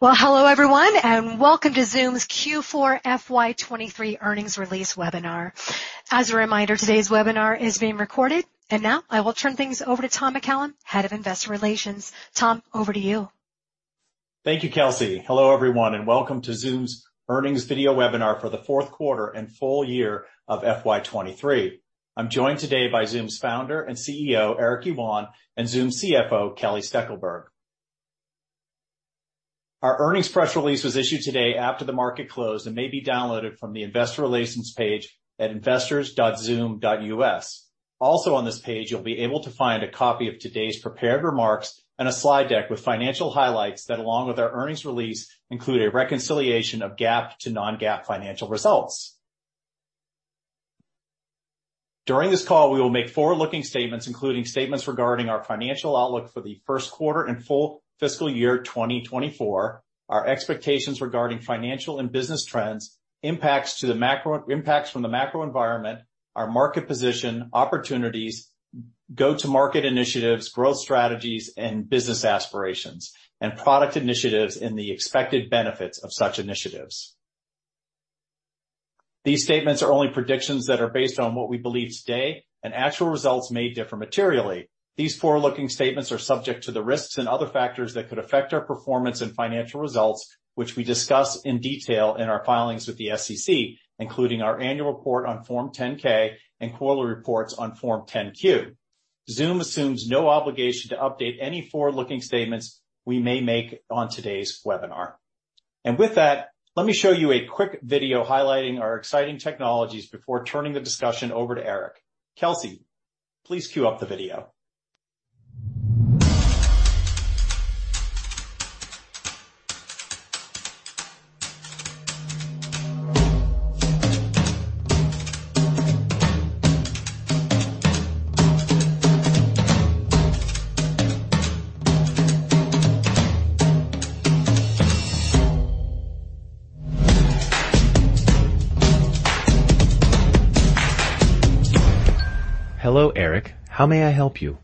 Well, hello, everyone, and welcome to Zoom's Q4 FY 2023 Earnings Release Webinar. As a reminder, today's webinar is being recorded. Now I will turn things over to Tom McCallum, Head of Investor Relations. Tom, over to you. Thank you, Kelsey. Hello, everyone, and welcome to Zoom's earnings video webinar for the fourth quarter and full year of FY 2023. I'm joined today by Zoom's founder and CEO, Eric Yuan, and Zoom CFO, Kelly Steckelberg. Our earnings press release was issued today after the market closed and may be downloaded from the investor relations page at investors.zoom.us. Also on this page, you'll be able to find a copy of today's prepared remarks and a slide deck with financial highlights that, along with our earnings release, include a reconciliation of GAAP to non-GAAP financial results. During this call, we will make forward-looking statements, including statements regarding our financial outlook for the first quarter and full fiscal year 2024, our expectations regarding financial and business trends, impacts to the macro. Impacts from the macro environment, our market position, opportunities, go-to-market initiatives, growth strategies, and business aspirations, and product initiatives in the expected benefits of such initiatives. These statements are only predictions that are based on what we believe today, and actual results may differ materially. These forward-looking statements are subject to the risks and other factors that could affect our performance and financial results, which we discuss in detail in our filings with the SEC, including our annual report on Form 10-K and quarterly reports on Form 10-Q. Zoom assumes no obligation to update any forward-looking statements we may make on today's webinar. With that, let me show you a quick video highlighting our exciting technologies before turning the discussion over to Eric. Kelsey, please cue up the video. Hello, Eric. How may I help you?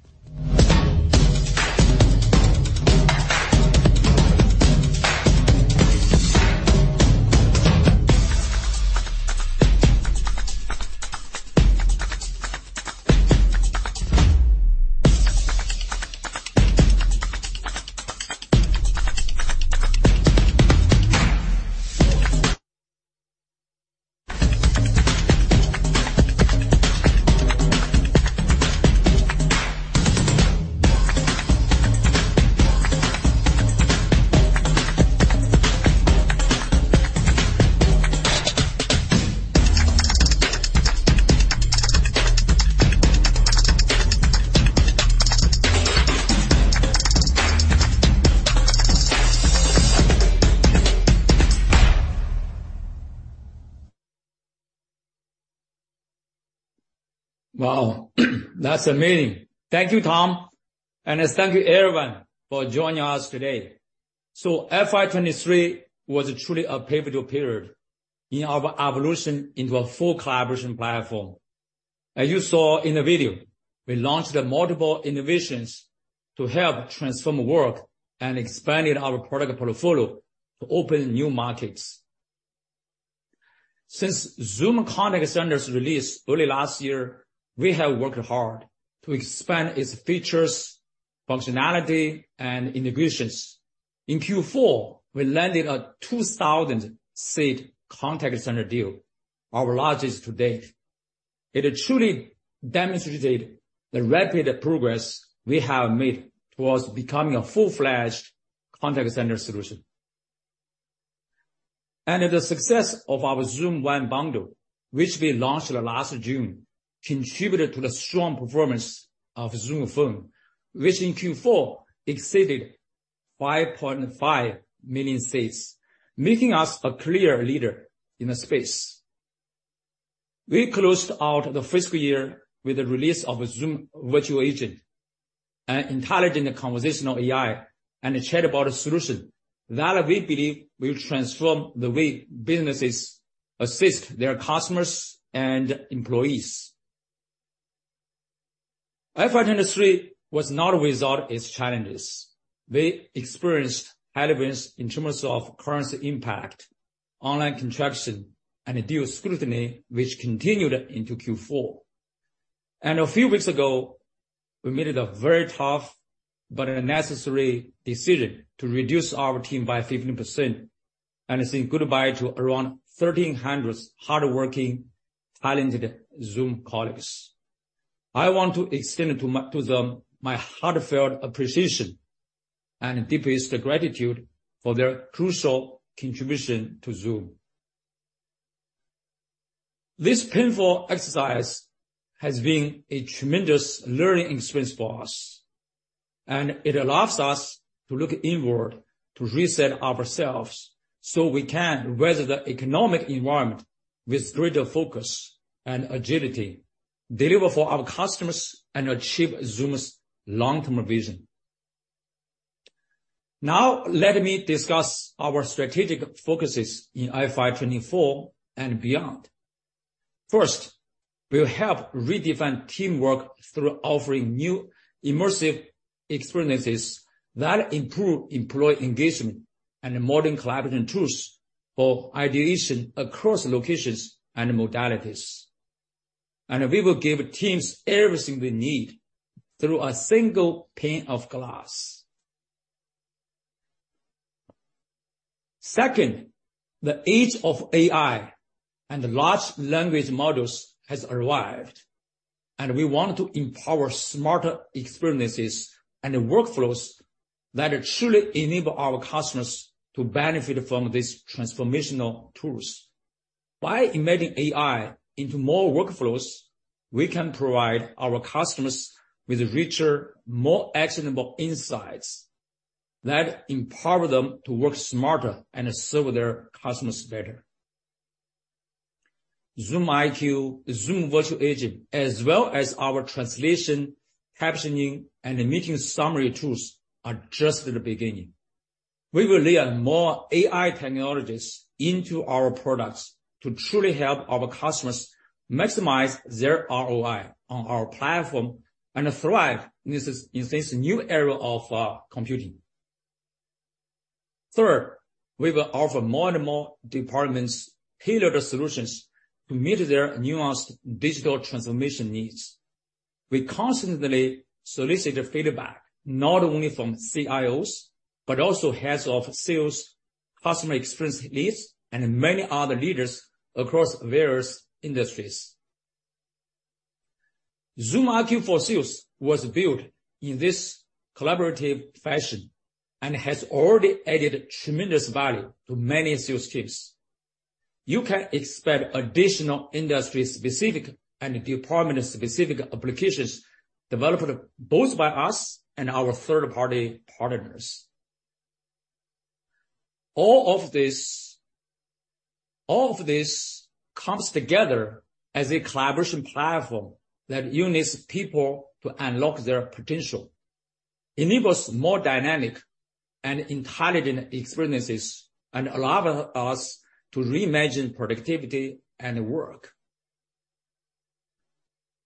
Wow, that's amazing. Thank you, Tom, thank you everyone for joining us today. FY 2023 was truly a pivotal period in our evolution into a full collaboration platform. As you saw in the video, we launched the multiple innovations to help transform work and expanded our product portfolio to open new markets. Since Zoom Contact Center's release early last year, we have worked hard to expand its features, functionality, and integrations. In Q4, we landed a 2,000-seat Contact Center deal, our largest to date. It truly demonstrated the rapid progress we have made towards becoming a full-fledged Contact Center solution. The success of our Zoom One bundle, which we launched last June, contributed to the strong performance of Zoom Phone, which in Q4 exceeded 5.5 million seats, making us a clear leader in the space. We closed out the fiscal year with the release of Zoom Virtual Agent, an intelligent conversational AI and a chatbot solution that we believe will transform the way businesses assist their customers and employees. FY 2023 was not without its challenges. We experienced headwinds in terms of currency impact, online contraction, and deal scrutiny, which continued into Q4. A few weeks ago, we made a very tough but necessary decision to reduce our team by 15% and saying goodbye to around 1,300 hardworking, talented Zoom colleagues. I want to extend to them my heartfelt appreciation and deepest gratitude for their crucial contribution to Zoom. This painful exercise has been a tremendous learning experience for us, and it allows us to look inward, to reset ourselves, so we can weather the economic environment with greater focus and agility, deliver for our customers, and achieve Zoom's long-term vision. Now, let me discuss our strategic focuses in FY 2024 and beyond. First, we'll help redefine teamwork through offering new immersive experiences that improve employee engagement and modern collaboration tools for ideation across locations and modalities. We will give teams everything they need through a single pane of glass. Second, the age of AI and large language models has arrived, and we want to empower smarter experiences and workflows that truly enable our customers to benefit from these transformational tools. By embedding AI into more workflows, we can provide our customers with richer, more actionable insights that empower them to work smarter and serve their customers better. Zoom IQ, Zoom Virtual Agent, as well as our translation, captioning, and meeting summary tools are just the beginning. We will layer more AI technologies into our products to truly help our customers maximize their ROI on our platform and thrive in this new era of computing. Third, we will offer more and more departments tailored solutions to meet their nuanced digital transformation needs. We constantly solicit feedback, not only from CIOs, but also heads of sales, customer experience leads, and many other leaders across various industries. Zoom IQ for Sales was built in this collaborative fashion and has already added tremendous value to many sales teams. You can expect additional industry-specific and department-specific applications developed both by us and our third-party partners. All of this comes together as a collaboration platform that unites people to unlock their potential, enables more dynamic and intelligent experiences, allow us to reimagine productivity and work.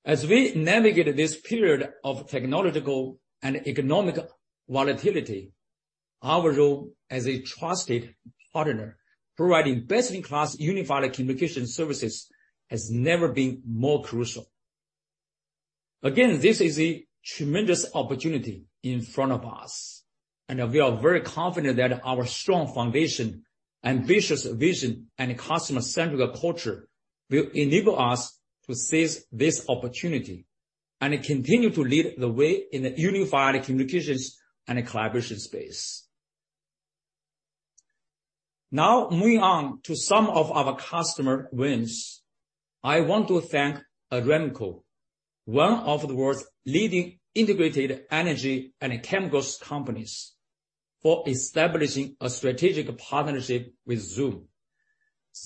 As we navigate this period of technological and economic volatility, our role as a trusted partner providing best-in-class unified communication services has never been more crucial. Again, this is a tremendous opportunity in front of us, and we are very confident that our strong foundation, ambitious vision, and customer-centric culture will enable us to seize this opportunity and continue to lead the way in the unified communications and collaboration space. Now, moving on to some of our customer wins. I want to thank Aramco, one of the world's leading integrated energy and chemicals companies, for establishing a strategic partnership with Zoom.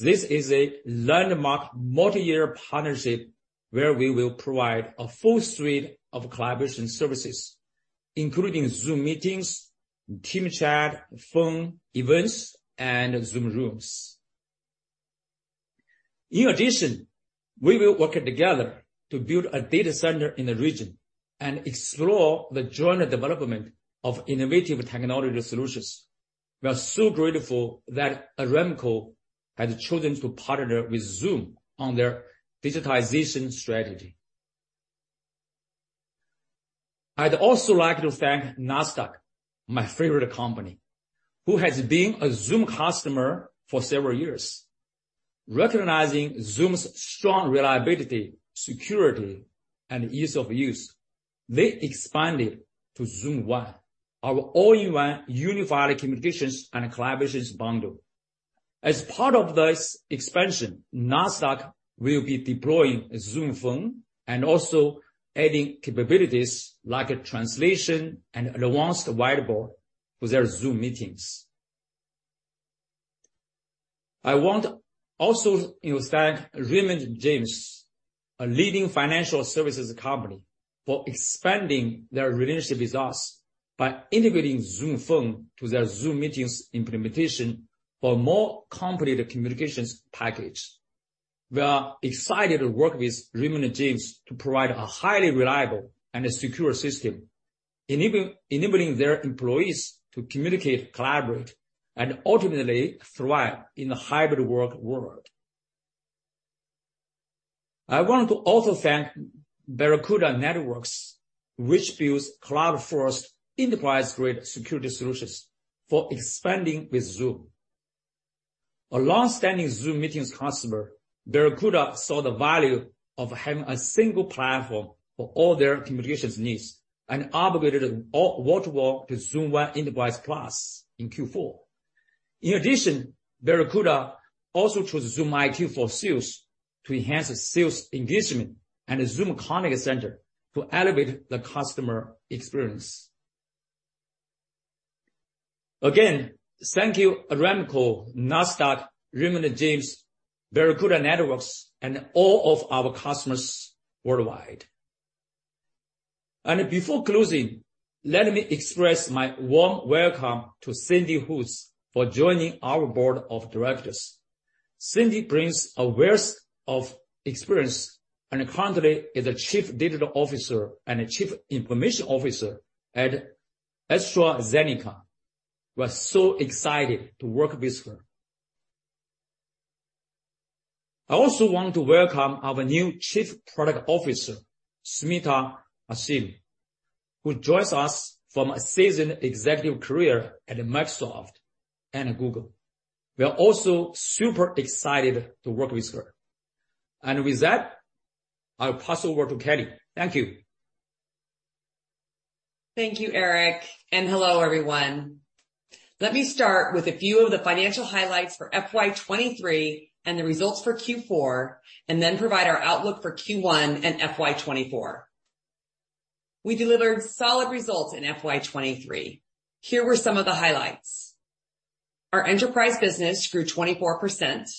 This is a landmark multi-year partnership where we will provide a full suite of collaboration services, including Zoom Meetings, Team Chat, Phone, Events, and Zoom Rooms. In addition, we will work together to build a data center in the region and explore the joint development of innovative technology solutions. We are so grateful that Aramco has chosen to partner with Zoom on their digitization strategy. I'd also like to thank Nasdaq, my favorite company, who has been a Zoom customer for several years. Recognizing Zoom's strong reliability, security, and ease of use, they expanded to Zoom One, our all-in-one unified communications and collaborations bundle. As part of this expansion, Nasdaq will be deploying Zoom Phone and also adding capabilities like translation and advanced whiteboard to their Zoom Meetings. I want also to thank Raymond James, a leading financial services company, for expanding their relationship with us by integrating Zoom Phone to their Zoom Meetings implementation for a more complete communications package. We are excited to work with Raymond James to provide a highly reliable and secure system, enabling their employees to communicate, collaborate, and ultimately thrive in the hybrid work world. I want to also thank Barracuda Networks, which builds cloud-first enterprise-grade security solutions, for expanding with Zoom. A long-standing Zoom Meetings customer, Barracuda saw the value of having a single platform for all their communications needs and upgraded all workflow to Zoom One Enterprise Plus in Q4. In addition, Barracuda also chose Zoom IQ for Sales to enhance sales engagement and Zoom Contact Center to elevate the customer experience. Again, thank you Aramco, Nasdaq, Raymond James, Barracuda Networks, and all of our customers worldwide. Before closing, let me express my warm welcome to Cindy Hoots for joining our Board of Directors. Cindy brings a wealth of experience and currently is the Chief Digital Officer and Chief Information Officer at AstraZeneca. We're so excited to work with her. I also want to welcome our new Chief Product Officer, Smita Hashim, who joins us from a seasoned executive career at Microsoft and Google. We are also super excited to work with her. With that, I'll pass over to Kelly. Thank you. Thank you, Eric. Hello, everyone. Let me start with a few of the financial highlights for FY 2023 and the results for Q4. Then provide our outlook for Q1 and FY 2024. We delivered solid results in FY 2023. Here were some of the highlights. Our enterprise business grew 24%.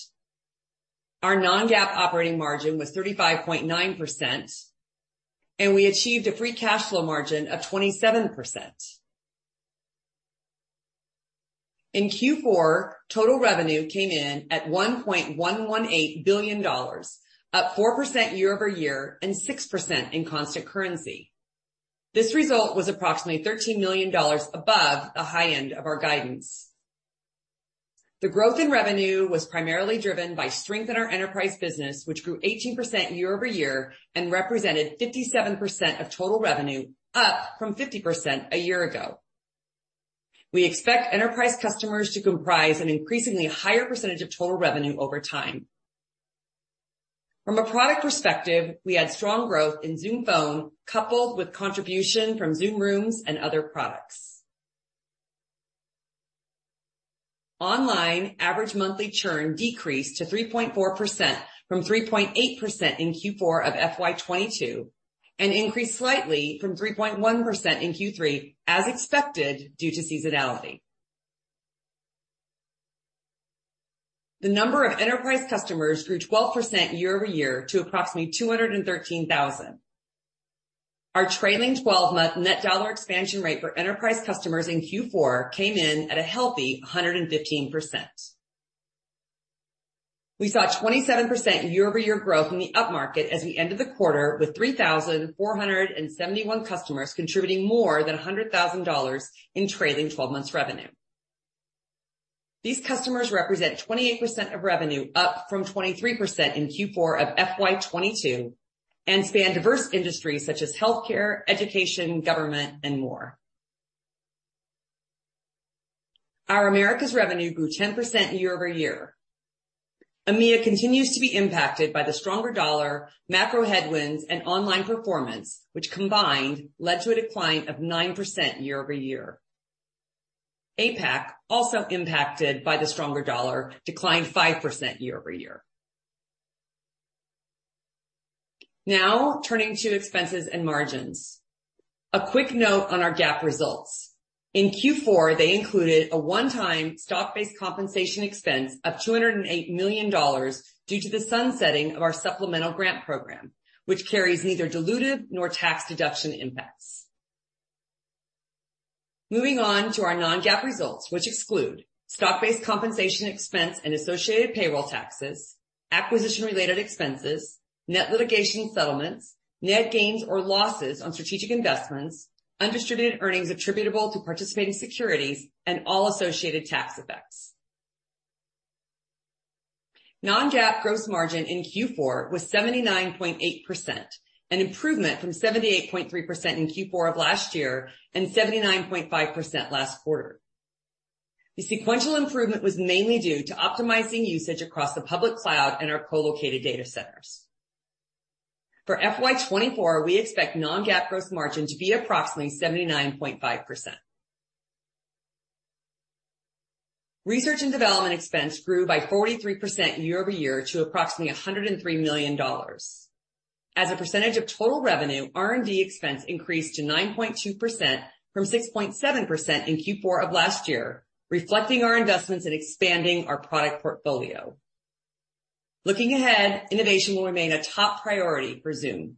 Our non-GAAP operating margin was 35.9%. We achieved a free cash flow margin of 27%. In Q4, total revenue came in at $1.118 billion, up 4% year-over-year and 6% in constant currency. This result was approximately $13 million above the high end of our guidance. The growth in revenue was primarily driven by strength in our enterprise business, which grew 18% year-over-year and represented 57% of total revenue, up from 50% a year ago. We expect enterprise customers to comprise an increasingly higher percentage of total revenue over time. From a product perspective, we had strong growth in Zoom Phone coupled with contribution from Zoom Rooms and other products. Online average monthly churn decreased to 3.4% from 3.8% in Q4 of FY 2022 and increased slightly from 3.1% in Q3 as expected due to seasonality. The number of enterprise customers grew 12% year-over-year to approximately 213,000. Our trailing twelve-month net dollar expansion rate for enterprise customers in Q4 came in at a healthy 115%. We saw 27% year-over-year growth in the upmarket as we ended the quarter with 3,471 customers contributing more than $100,000 in trailing twelve months revenue. These customers represent 28% of revenue, up from 23% in Q4 of FY 2022, span diverse industries such as healthcare, education, government, and more. Our Americas revenue grew 10% year-over-year. EMEA continues to be impacted by the stronger dollar, macro headwinds, and online performance, which combined led to a decline of 9% year-over-year. APAC, also impacted by the stronger dollar, declined 5% year-over-year. Turning to expenses and margins. A quick note on our GAAP results. In Q4, they included a one-time stock-based compensation expense of $208 million due to the sunsetting of our supplemental grant program, which carries neither dilutive nor tax deduction impacts. Moving on to our non-GAAP results, which exclude stock-based compensation expense and associated payroll taxes, acquisition-related expenses, net litigation settlements, net gains or losses on strategic investments, undistributed earnings attributable to participating securities, and all associated tax effects. Non-GAAP gross margin in Q4 was 79.8%, an improvement from 78.3% in Q4 of last year and 79.5% last quarter. The sequential improvement was mainly due to optimizing usage across the public cloud and our co-located data centers. For FY24, we expect non-GAAP gross margin to be approximately 79.5%. Research and development expense grew by 43% year-over-year to approximately $103 million. As a percentage of total revenue, R&D expense increased to 9.2% from 6.7% in Q4 of last year, reflecting our investments in expanding our product portfolio. Looking ahead, innovation will remain a top priority for Zoom.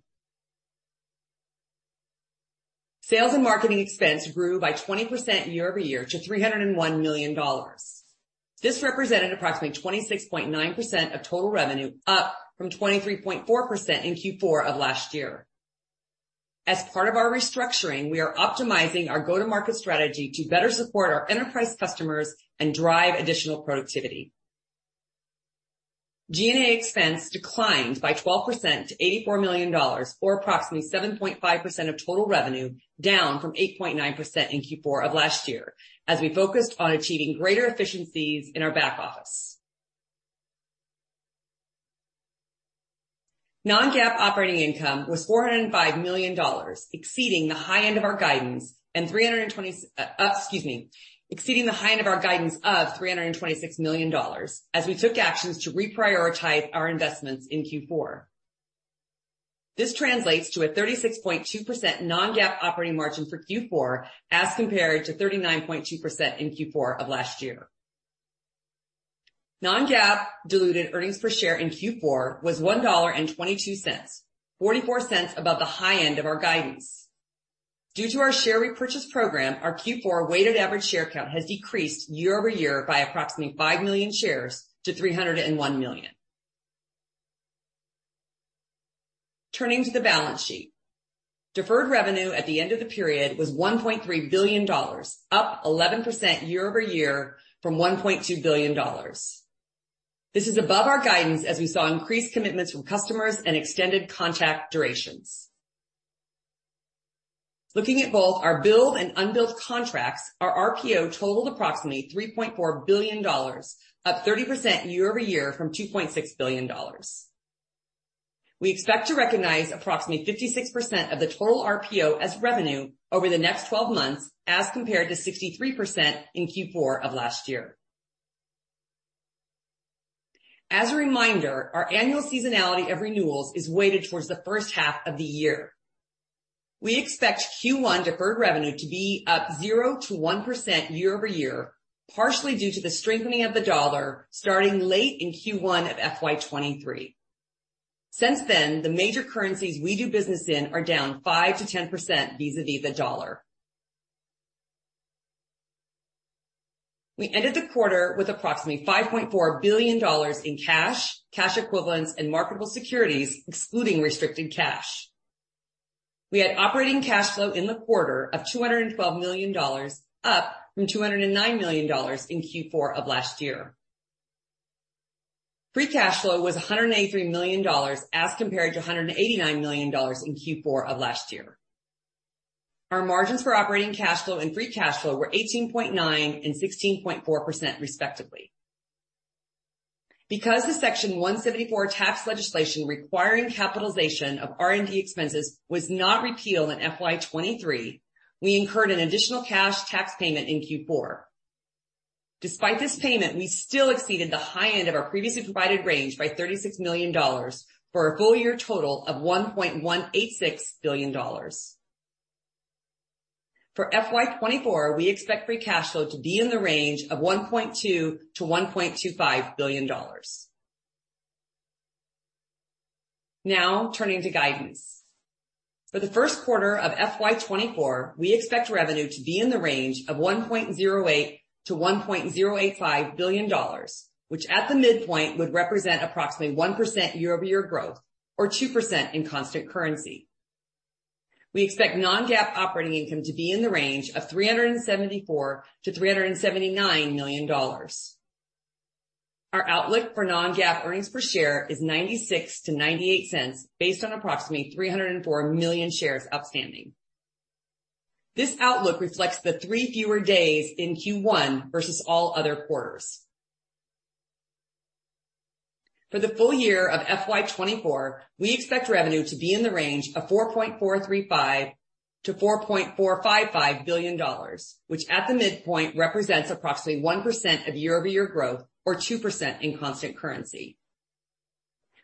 Sales and marketing expense grew by 20% year-over-year to $301 million. This represented approximately 26.9% of total revenue, up from 23.4% in Q4 of last year. As part of our restructuring, we are optimizing our go-to-market strategy to better support our enterprise customers and drive additional productivity. G&A expense declined by 12% to $84 million, or approximately 7.5% of total revenue, down from 8.9% in Q4 of last year, as we focused on achieving greater efficiencies in our back office. Non-GAAP operating income was $405 million, exceeding the high end of our guidance of $326 million as we took actions to reprioritize our investments in Q4. This translates to a 36.2% non-GAAP operating margin for Q4 as compared to 39.2% in Q4 of last year. Non-GAAP diluted earnings per share in Q4 was $1.22, $0.44 above the high end of our guidance. Due to our share repurchase program, our Q4 weighted average share count has decreased year-over-year by approximately 5 million shares to 301 million. Turning to the balance sheet. Deferred revenue at the end of the period was $1.3 billion, up 11% year-over-year from $1.2 billion. This is above our guidance as we saw increased commitments from customers and extended contract durations. Looking at both our billed and unbilled contracts, our RPO totaled approximately $3.4 billion, up 30% year-over-year from $2.6 billion. We expect to recognize approximately 56% of the total RPO as revenue over the next 12 months, as compared to 63% in Q4 of last year. As a reminder, our annual seasonality of renewals is weighted towards the first half of the year. We expect Q1 deferred revenue to be up 0%-1% year-over-year, partially due to the strengthening of the dollar starting late in Q1 of FY 2023. Since then, the major currencies we do business in are down 5%-10% vis-a-vis the dollar. We ended the quarter with approximately $5.4 billion in cash equivalents and marketable securities, excluding restricted cash. We had operating cash flow in the quarter of $212 million, up from $209 million in Q4 of last year. Free cash flow was $183 million as compared to $189 million in Q4 of last year. Our margins for operating cash flow and free cash flow were 18.9% and 16.4% respectively. Because the Section 174 tax legislation requiring capitalization of R&D expenses was not repealed in FY 2023, we incurred an additional cash tax payment in Q4. Despite this payment, we still exceeded the high end of our previously provided range by $36 million, for a full year total of $1.186 billion. For FY 2024, we expect free cash flow to be in the range of $1.2 billion-$1.25 billion. Now turning to guidance. For the 1st quarter of FY 2024, we expect revenue to be in the range of $1.08 billion-$1.085 billion, which at the midpoint would represent approximately 1% year-over-year growth or 2% in constant currency. We expect non-GAAP operating income to be in the range of $374 million-$379 million. Our outlook for non-GAAP earnings per share is $0.96-$0.98, based on approximately 304 million shares outstanding. This outlook reflects the three fewer days in Q1 versus all other quarters. For the full year of FY 2024, we expect revenue to be in the range of $4.435 billion-$4.455 billion, which at the midpoint represents approximately 1% of year-over-year growth or 2% in constant currency.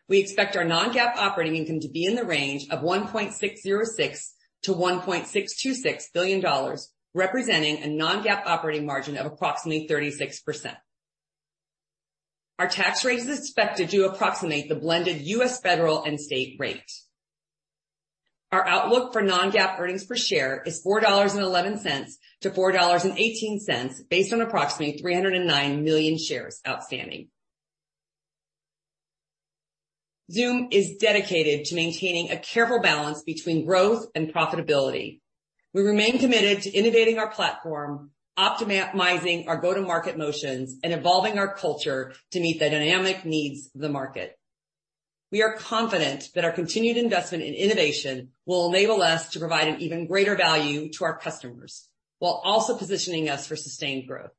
We expect our non-GAAP operating income to be in the range of $1.606 billion-$1.626 billion, representing a non-GAAP operating margin of approximately 36%. Our tax rate is expected to approximate the blended U.S. federal and state rate. Our outlook for non-GAAP earnings per share is $4.11-$4.18, based on approximately 309 million shares outstanding. Zoom is dedicated to maintaining a careful balance between growth and profitability. We remain committed to innovating our platform, optimizing our go-to-market motions, and evolving our culture to meet the dynamic needs of the market. We are confident that our continued investment in innovation will enable us to provide an even greater value to our customers while also positioning us for sustained growth.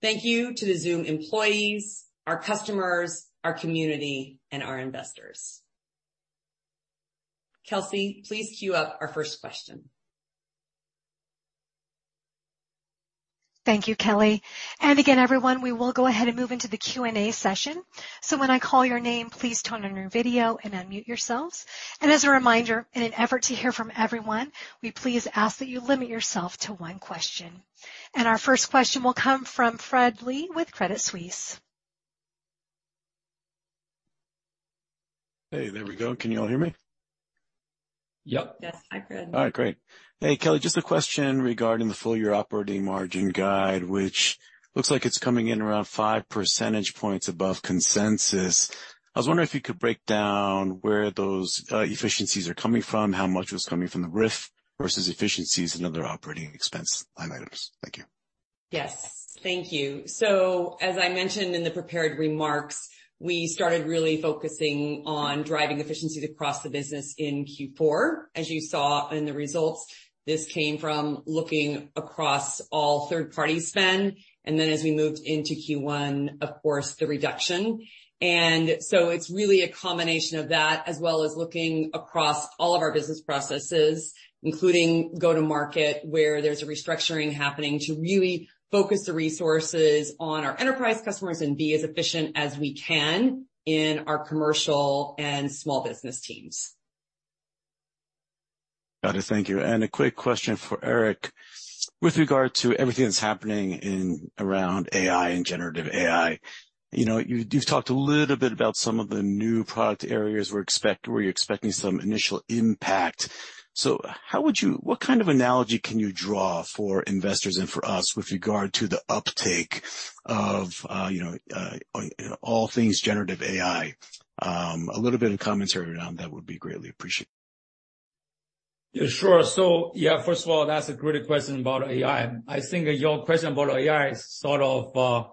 Thank you to the Zoom employees, our customers, our community, and our investors. Kelsey, please queue up our first question. Thank you, Kelly. Again, everyone, we will go ahead and move into the Q&A session. When I call your name, please turn on your video and unmute yourselves. As a reminder, in an effort to hear from everyone, we please ask that you limit yourself to one question. Our first question will come from Fred Lee with Credit Suisse. Hey, there we go. Can you all hear me? Yep. Yes. Hi, Fred. All right, great. Hey, Kelly, just a question regarding the full year operating margin guide, which looks like it's coming in around 5 percentage points above consensus. I was wondering if you could break down where those efficiencies are coming from, how much was coming from the RIF versus efficiencies and other operating expense line items? Thank you. Yes. Thank you. As I mentioned in the prepared remarks, we started really focusing on driving efficiencies across the business in Q4. As you saw in the results, this came from looking across all third-party spend, and then as we moved into Q1, of course, the reduction. It's really a combination of that, as well as looking across all of our business processes, including go-to-market, where there's a restructuring happening, to really focus the resources on our enterprise customers and be as efficient as we can in our commercial and small business teams. Got it. Thank you. A quick question for Eric. With regard to everything that's happening in, around AI and generative AI, you've talked a little bit about some of the new product areas we're expecting some initial impact. What kind of analogy can you draw for investors and for us with regard to the uptake of, you know, all things generative AI? A little bit of commentary around that would be greatly appreciated. Yeah, sure. Yeah, first of all, that's a great question about AI. I think your question about AI is sort of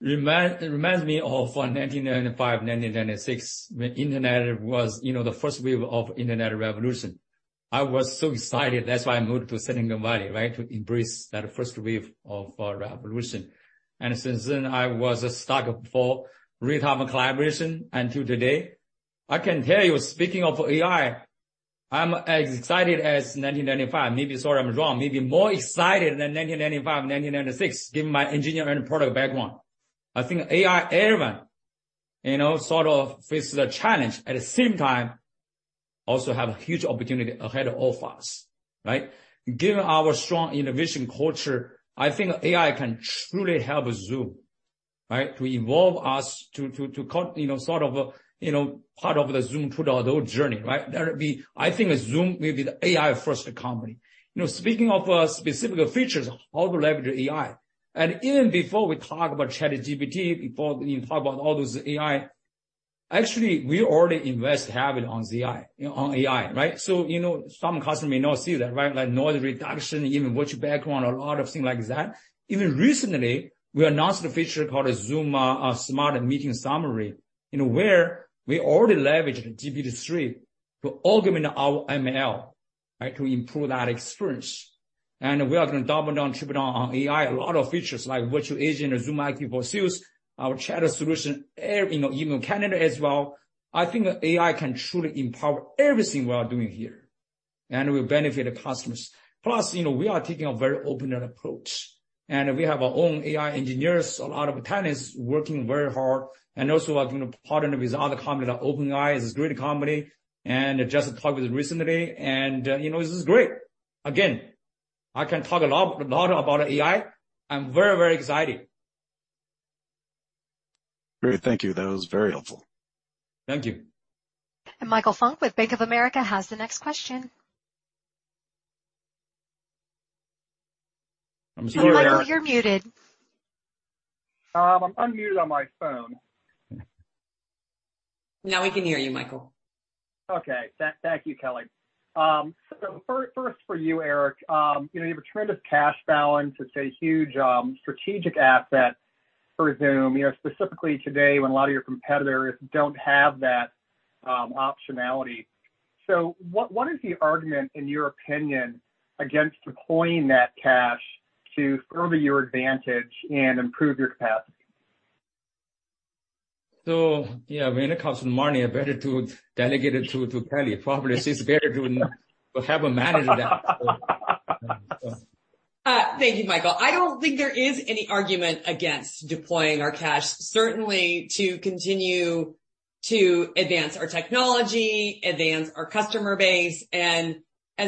reminds me of 1995, 1996, when Internet was, you know, the first wave of Internet revolution. I was so excited. That's why I moved to Silicon Valley, right, to embrace that first wave of revolution. Since then, I was stuck for real-time collaboration until today. I can tell you, speaking of AI, I'm as excited as 1995. Maybe sorry, I'm wrong. Maybe more excited than 1995, 1996, given my engineering and product background. I think AI, everyone, you know, sort of faces a challenge. At the same time, also have huge opportunity ahead of us, right? Given our strong innovation culture, I think AI can truly help Zoom, right? To involve us to, you know, sort of, you know, part of the Zoom 2.0 journey, right? That would be I think Zoom will be the AI-first company. You know, speaking of specific features, how to leverage AI, even before we talk about ChatGPT, before we talk about all those AI, actually, we already invest heavily on ZI, on AI, right? You know, some customer may not see that, right? Like noise reduction, even virtual background or a lot of things like that. Even recently, we announced a feature called Zoom Smart Meeting Summary, you know, where we already leveraged GPT-3 to augment our ML, right, to improve that experience. We are gonna double down, triple down on AI. A lot of features like Virtual Agent or Zoom IQ for Sales, our chat solution, every, you know, even calendar as well. I think AI can truly empower everything we are doing here, and will benefit the customers. Plus, you know, we are taking a very open-end approach, and we have our own AI engineers, a lot of talents working very hard, and also working to partner with other companies like OpenAI. It's a great company, and I just talked with recently, and, you know, this is great. Again, I can talk a lot about AI. I'm very excited. Great. Thank you. That was very helpful. Thank you. Michael Funk with Bank of America has the next question. I'm still here. Michael, you're muted. I'm unmuted on my phone. Now we can hear you, Michael. Okay. Thank you, Kelly. First for you, Eric. You know, you have a tremendous cash balance. It's a huge strategic asset for Zoom, you know, specifically today when a lot of your competitors don't have that optionality. What is the argument in your opinion against deploying that cash to further your advantage and improve your capacity? Yeah, when it comes to money, I better to delegate it to Kelly. Probably she's better to have manage that. Thank you, Michael. I don't think there is any argument against deploying our cash, certainly to continue to advance our technology, advance our customer base. As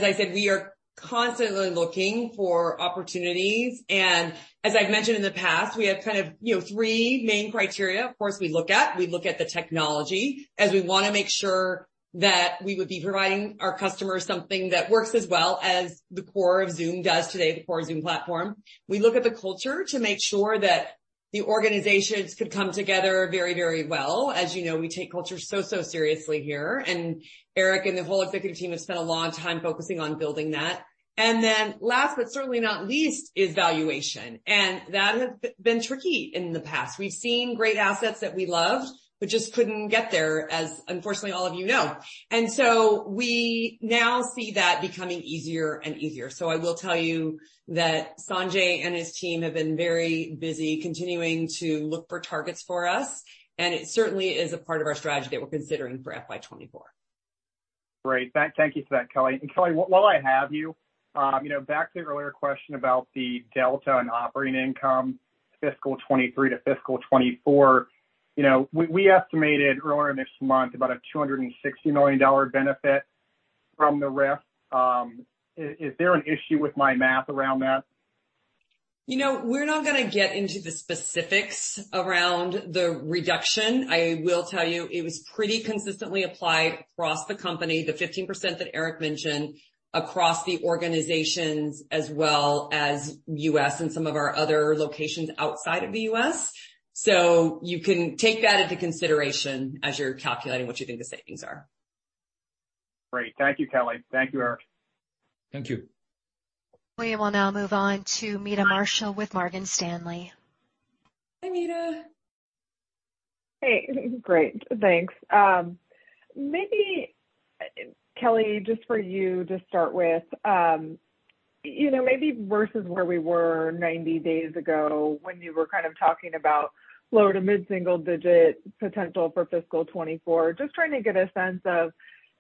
I said, we are constantly looking for opportunities. As I've mentioned in the past, we have kind of, you know, three main criteria, of course, we look at. We look at the technology, as we wanna make sure that we would be providing our customers something that works as well as the core of Zoom does today, the core Zoom platform. We look at the culture to make sure that the organizations could come together very, very well. As you know, we take culture so seriously here, and Eric and the whole executive team have spent a long time focusing on building that. Then last but certainly not least is valuation. That has been tricky in the past. We've seen great assets that we loved, but just couldn't get there, as unfortunately all of you know. We now see that becoming easier and easier. I will tell you that Sanjay and his team have been very busy continuing to look for targets for us, and it certainly is a part of our strategy that we're considering for FY 2024. Great. Thank you for that, Kelly. Kelly, while I have you know, back to the earlier question about the delta in operating income fiscal 2023 to fiscal 2024. You know, we estimated earlier in this month about a $260 million benefit from the RIF. Is there an issue with my math around that? You know, we're not gonna get into the specifics around the reduction. I will tell you it was pretty consistently applied across the company, the 15% that Eric mentioned, across the organizations as well as U.S. and some of our other locations outside of the U.S. You can take that into consideration as you're calculating what you think the savings are. Great. Thank you, Kelly. Thank you, Eric. Thank you. We will now move on to Meta Marshall with Morgan Stanley. Hi, Meta. Hey. Great. Thanks. Maybe, Kelly, just for you to start with, you know, maybe versus where we were 90 days ago when you were kind of talking about low to mid-single digit potential for fiscal 2024, just trying to get a sense of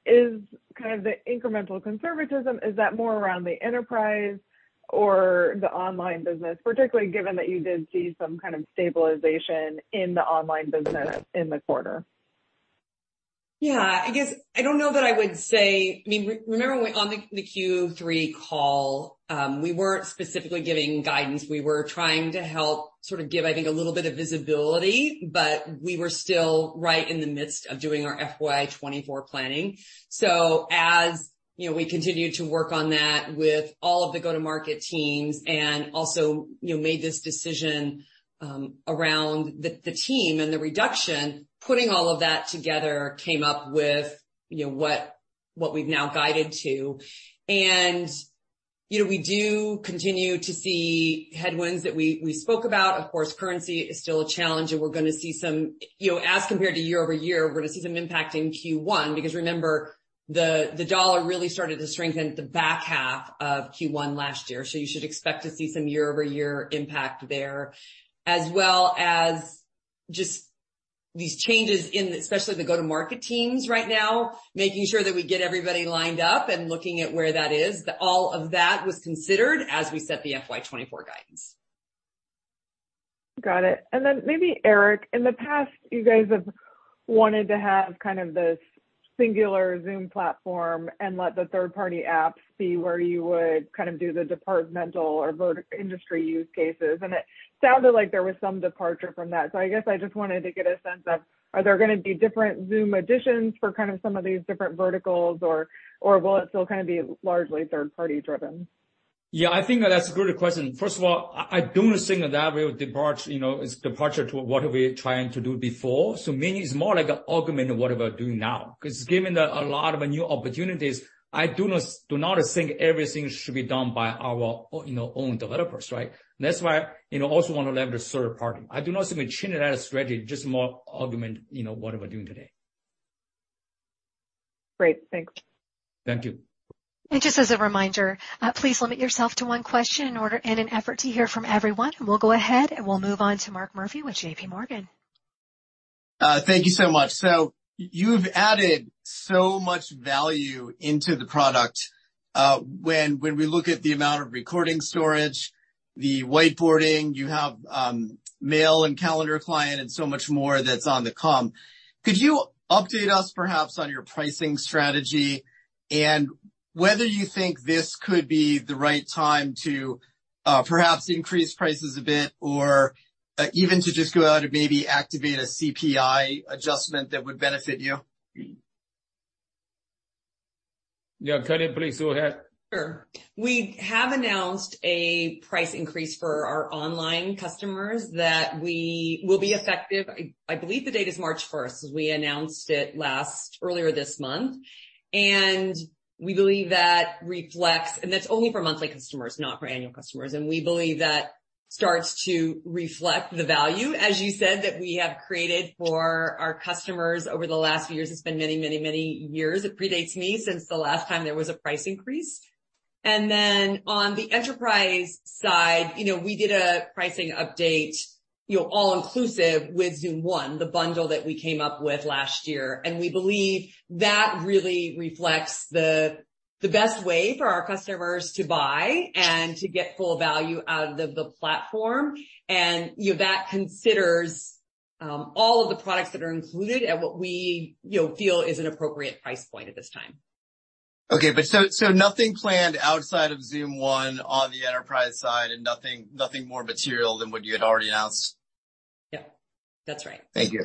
is kind of the incremental conservatism, is that more around the enterprise or the online business, particularly given that you did see some kind of stabilization in the online business in the quarter? Yeah, I guess I don't know that I would say... I mean, remember when on the Q3 call, we weren't specifically giving guidance. We were trying to help sort of give, I think, a little bit of visibility, but we were still right in the midst of doing our FY 2024 planning. As, you know, we continued to work on that with all of the go-to-market teams and also, you know, made this decision, around the team and the reduction, putting all of that together came up with, you know, what we've now guided to. You know, we do continue to see headwinds that we spoke about. Of course, currency is still a challenge. We're gonna see some, you know, as compared to year-over-year, we're gonna see some impact in Q1, because remember, the dollar really started to strengthen at the back half of Q1 last year. You should expect to see some year-over-year impact there. As well as just these changes in especially the go-to-market teams right now, making sure that we get everybody lined up and looking at where that is. All of that was considered as we set the FY 2024 guidance. Got it. Maybe Eric, in the past you guys have wanted to have kind of this singular Zoom platform and let the third party apps be where you would kind of do the departmental or industry use cases. It sounded like there was some departure from that. I guess I just wanted to get a sense of, are there going to be different Zoom additions for kind of some of these different verticals or will it still kind of be largely third party driven? I think that's a good question. First of all, I don't think that we would depart, you know, it's departure to what we're trying to do before. Maybe it's more like augmenting what we're doing now. 'Cause given that a lot of new opportunities, I do not think everything should be done by our, you know, own developers, right? That's why, you know, also want to leverage third party. I do not see machine learning as a strategy, just more augment, you know, what we're doing today. Great. Thanks. Thank you. Just as a reminder, please limit yourself to one question in order, in an effort to hear from everyone. We'll go ahead, and we'll move on to Mark Murphy with JPMorgan. Thank you so much. You've added so much value into the product, when we look at the amount of recording storage, the whiteboarding, you have, mail and calendar client and so much more that's on 1 to come. Could you update us perhaps on your pricing strategy and whether you think this could be the right time to, perhaps increase prices a bit or, even to just go out and maybe activate a CPI adjustment that would benefit you? Yeah. Kelly, please go ahead. Sure. We have announced a price increase for our online customers that we will be effective, I believe the date is March first, as we announced it earlier this month. We believe that reflects, and that's only for monthly customers, not for annual customers. We believe that starts to reflect the value, as you said, that we have created for our customers over the last few years. It's been many, many, many years. It predates me since the last time there was a price increase. On the enterprise side, you know, we did a pricing update, you know, all inclusive with Zoom One, the bundle that we came up with last year. We believe that really reflects the best way for our customers to buy and to get full value out of the platform. You know, that considers all of the products that are included at what we, you know, feel is an appropriate price point at this time. Okay, nothing planned outside of Zoom One on the enterprise side and nothing more material than what you had already announced? Yeah, that's right. Thank you.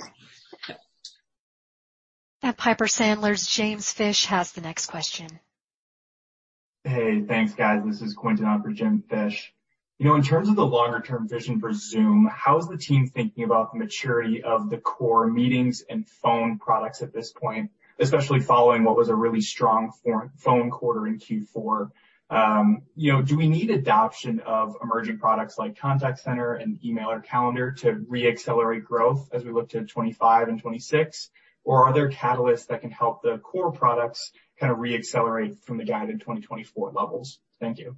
Yeah. Piper Sandler's James Fish has the next question. Hey, thanks, guys. This is Quentin on for Jim Fish. You know, in terms of the longer term vision for Zoom, how is the team thinking about the maturity of the core meetings and phone products at this point, especially following what was a really strong phone quarter in Q4? You know, do we need adoption of emerging products like contact center and email or calendar to reaccelerate growth as we look to 2025 and 2026? Or are there catalysts that can help the core products kind of reaccelerate from the guided 2024 levels? Thank you.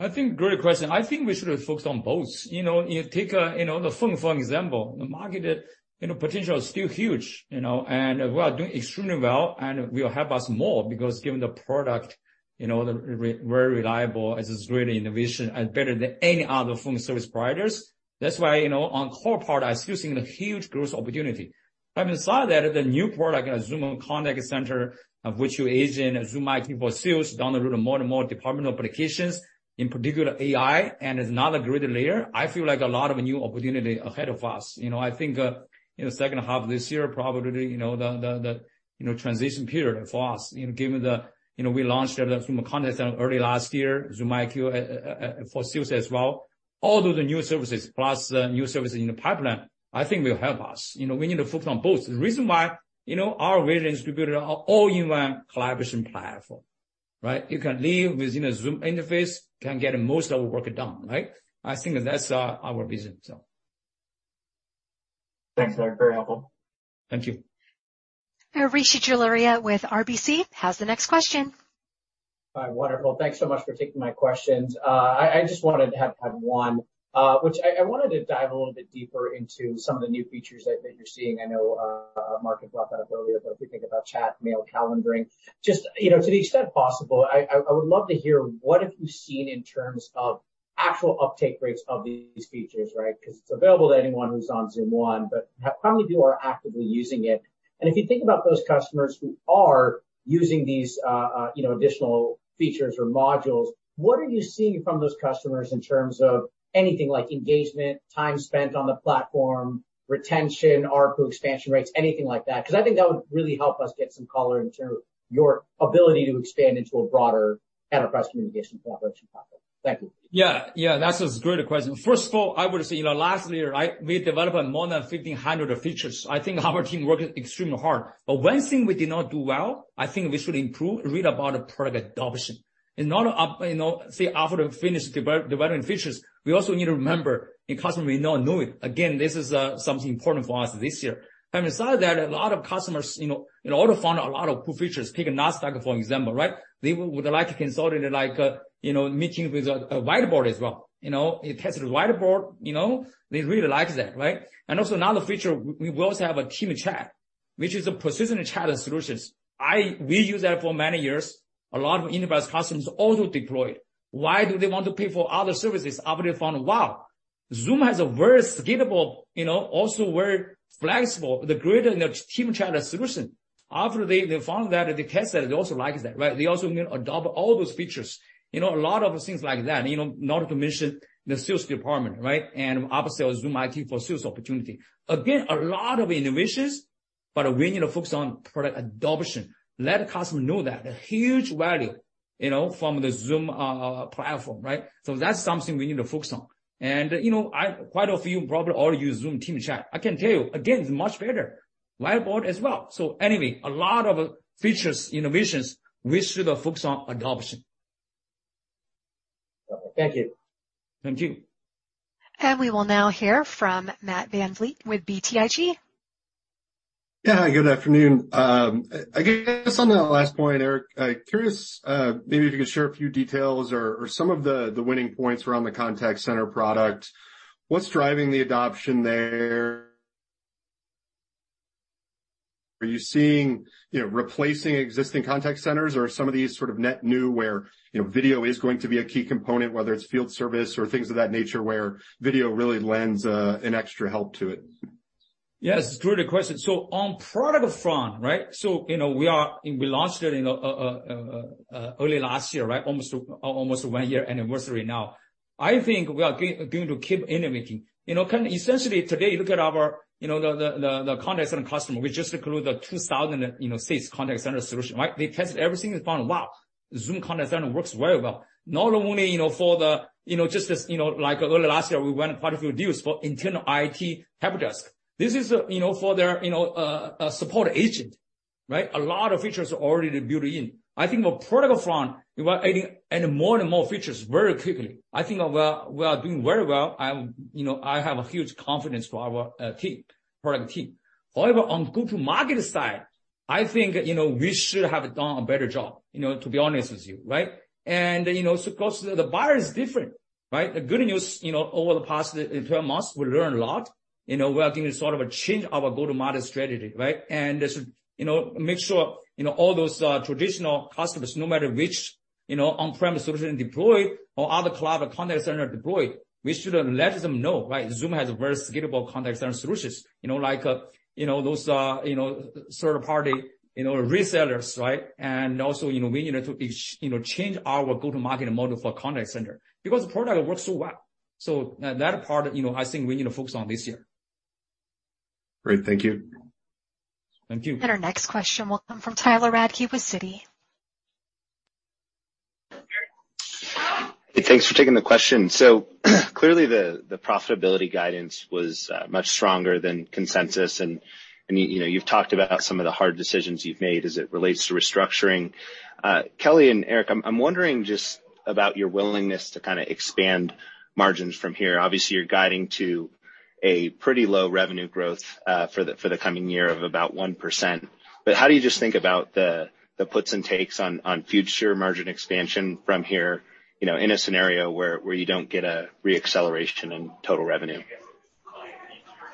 I think great question. I think we should focus on both. You know, take, you know, the phone, for example, the market, you know, potential is still huge, you know, and we are doing extremely well and will help us more because given the product, you know, very reliable, it is really innovation and better than any other phone service providers. That's why, you know, on core product, I still seeing a huge growth opportunity. Having said that, the new product, Zoom Contact Center, of which you agent Zoom IQ for Sales down the road and more and more departmental applications, in particular AI. It's another great layer. I feel like a lot of new opportunity ahead of us. You know, I think, you know, second half this year, probably, you know, the transition period for us, you know, given the, you know, we launched Zoom Contact Center early last year, Zoom IQ for Sales as well. All of the new services plus new services in the pipeline, I think will help us. You know, we need to focus on both. The reason why, you know, our vision is to build an all-in-one collaboration platform, right? You can live within a Zoom interface, can get most of the work done, right? I think that's our vision. Thanks, Eric. Very helpful. Thank you. Rishi Jaluria with RBC has the next question. Hi. Wonderful. Thanks so much for taking my questions. I just wanted to have one which I wanted to dive a little bit deeper into some of the new features that you're seeing. I know Mark had brought that up earlier, but if we think about chat, mail, calendaring, just, you know, to the extent possible, I would love to hear what have you seen in terms of actual uptake rates of these features, right? Because it's available to anyone who's on Zoom One, but how many people are actively using it? If you think about those customers who are using these, you know, additional features or modules, what are you seeing from those customers in terms of anything like engagement, time spent on the platform, retention, ARPU expansion rates, anything like that? I think that would really help us get some color in terms of your ability to expand into a broader enterprise communication collaboration platform. Thank you. Yeah, yeah, that's a great question. First of all, I would say, you know, last year, we developed more than 1,500 features. I think our team worked extremely hard. One thing we did not do well, I think we should improve, read about the product adoption. You know, say, after finish developing features, we also need to remember the customer may not know it. Again, this is something important for us this year. Besides that, a lot of customers, you know, in order to find a lot of cool features, pick Nasdaq, for example, right? They would like to consult it, like, you know, meeting with a whiteboard as well. You know, it has a whiteboard, you know, they really like that, right? Also another feature, we also have a Team Chat, which is a precision chat solutions. We use that for many years. A lot of enterprise customers also deploy it. Why do they want to pay for other services after they found, wow, Zoom has a very scalable, you know, also very flexible, the greater Zoom Team Chat solution. After they found that, they tested, they also like that, right? They also adopt all those features. You know, a lot of things like that, you know, not to mention the sales department, right? Obviously Zoom IQ for Sales opportunity. Again, a lot of innovations, but we need to focus on product adoption. Let customers know that the huge value, you know, from the Zoom platform, right? That's something we need to focus on. You know, quite a few probably already use Zoom Team Chat. I can tell you again, it's much better, Whiteboard as well. Anyway, a lot of features, innovations we should focus on adoption. Thank you. Thank you. We will now hear from Matt VanVliet with BTIG. Good afternoon. I guess on that last point, Eric, curious, maybe if you could share a few details or some of the winning points around the contact center product. What's driving the adoption there? Are you seeing, you know, replacing existing contact centers or some of these sort of net new where, you know, video is going to be a key component, whether it's field service or things of that nature, where video really lends an extra help to it? Yes, it's a great question. On product front, right? You know, we launched it in early last year, right? Almost one year anniversary now. I think we are going to keep innovating. You know, can essentially today look at our, you know, the contact center customer. We just include the 2,000, you know, seats contact center solution, right? They test everything and find, wow, Zoom Contact Center works very well. Not only, you know, for the, you know, just as you know, like early last year, we went quite a few deals for internal IT helpdesk. This is, you know, for their, you know, support agent, right? A lot of features are already built in. I think on product front, we are adding more and more features very quickly. I think we are doing very well. I'm, you know, I have a huge confidence for our team, product team. However, on go-to-market side, I think, you know, we should have done a better job, you know, to be honest with you, right? You know, of course the buyer is different, right? The good news, you know, over the past 12 months, we learned a lot. You know, we are going to sort of change our go-to-market strategy, right? You know, make sure, you know, all those traditional customers, no matter which, you know, on-premise solution deployed or other cloud contact center deployed, we should let them know, right, Zoom has a very scalable contact center solutions. You know, like, you know those third-party, you know, resellers, right? Also, you know, we need to each, you know, change our go-to-market model for Contact Center because the product works so well. That part, you know, I think we need to focus on this year. Great. Thank you. Thank you. Our next question will come from Tyler Radke with Citi. Hey, thanks for taking the question. clearly the profitability guidance was much stronger than consensus. you know, you've talked about some of the hard decisions you've made as it relates to restructuring. Kelly and Eric, I'm wondering just about your willingness to kind of expand margins from here. Obviously, you're guiding to a pretty low revenue growth for the coming year of about 1%. How do you just think about the puts and takes on future margin expansion from here, you know, in a scenario where you don't get a re-acceleration in total revenue?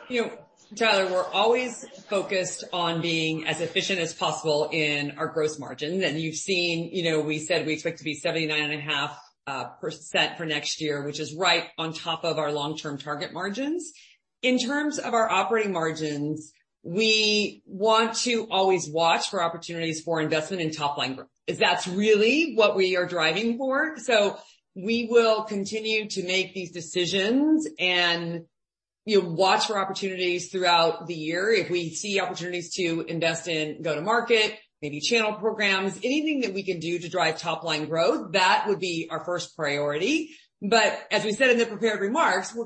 You know, Tyler, we're always focused on being as efficient as possible in our gross margin. You've seen, you know, we said we expect to be 79.5% for next year, which is right on top of our long-term target margins. In terms of our operating margins, we want to always watch for opportunities for investment in top-line growth. That's really what we are driving for. We will continue to make these decisions and, you know, watch for opportunities throughout the year. If we see opportunities to invest in go-to-market, maybe channel programs, anything that we can do to drive top-line growth, that would be our first priority. As we said in the prepared remarks, we're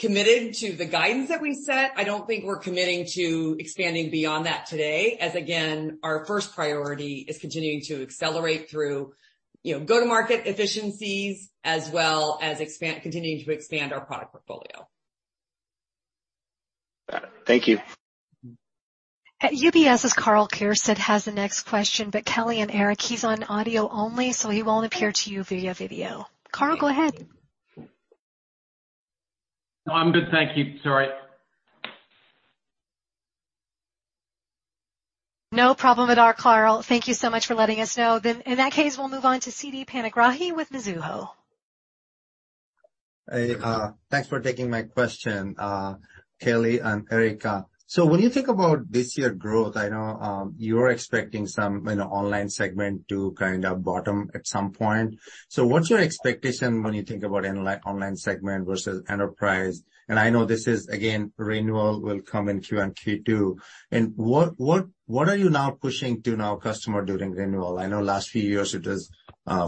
committed to the guidance that we set. I don't think we're committing to expanding beyond that today, as again, our first priority is continuing to accelerate through, you know, go-to-market efficiencies as well as continuing to expand our product portfolio. Got it. Thank you. UBS's Karl Keirstead has the next question, but Kelly and Eric, he's on audio only, so he won't appear to you via video. Karl, go ahead. No, I'm good, thank you. Sorry. No problem at all, Karl. Thank you so much for letting us know. In that case, we'll move on to Siti Panigrahi with Mizuho. Hey, thanks for taking my question, Kelly and Eric. When you think about this year growth, I know, you're expecting some, you know, online segment to kind of bottom at some point. What's your expectation when you think about online segment versus enterprise? I know this is, again, renewal will come in Q1, Q2. What are you now pushing to now customer during renewal? I know last few years it was,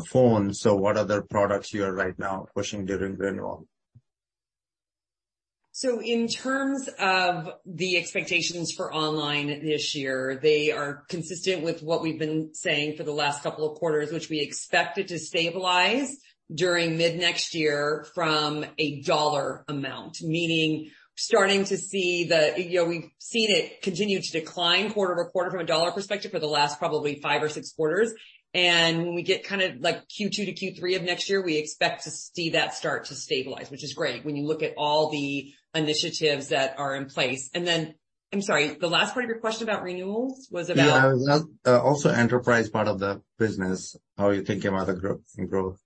phone. What other products you are right now pushing during renewal? In terms of the expectations for online this year, they are consistent with what we've been saying for the last couple of quarters, which we expected to stabilize during mid-next year from a dollar amount. Meaning starting to see the, you know, we've seen it continue to decline quarter-over-quarter from a dollar perspective for the last probably five or six quarters. When we get kind of like Q2 to Q3 of next year, we expect to see that start to stabilize, which is great when you look at all the initiatives that are in place. I'm sorry, the last part of your question about renewals was about? Yeah. Enterprise part of the business, how you're thinking about the growth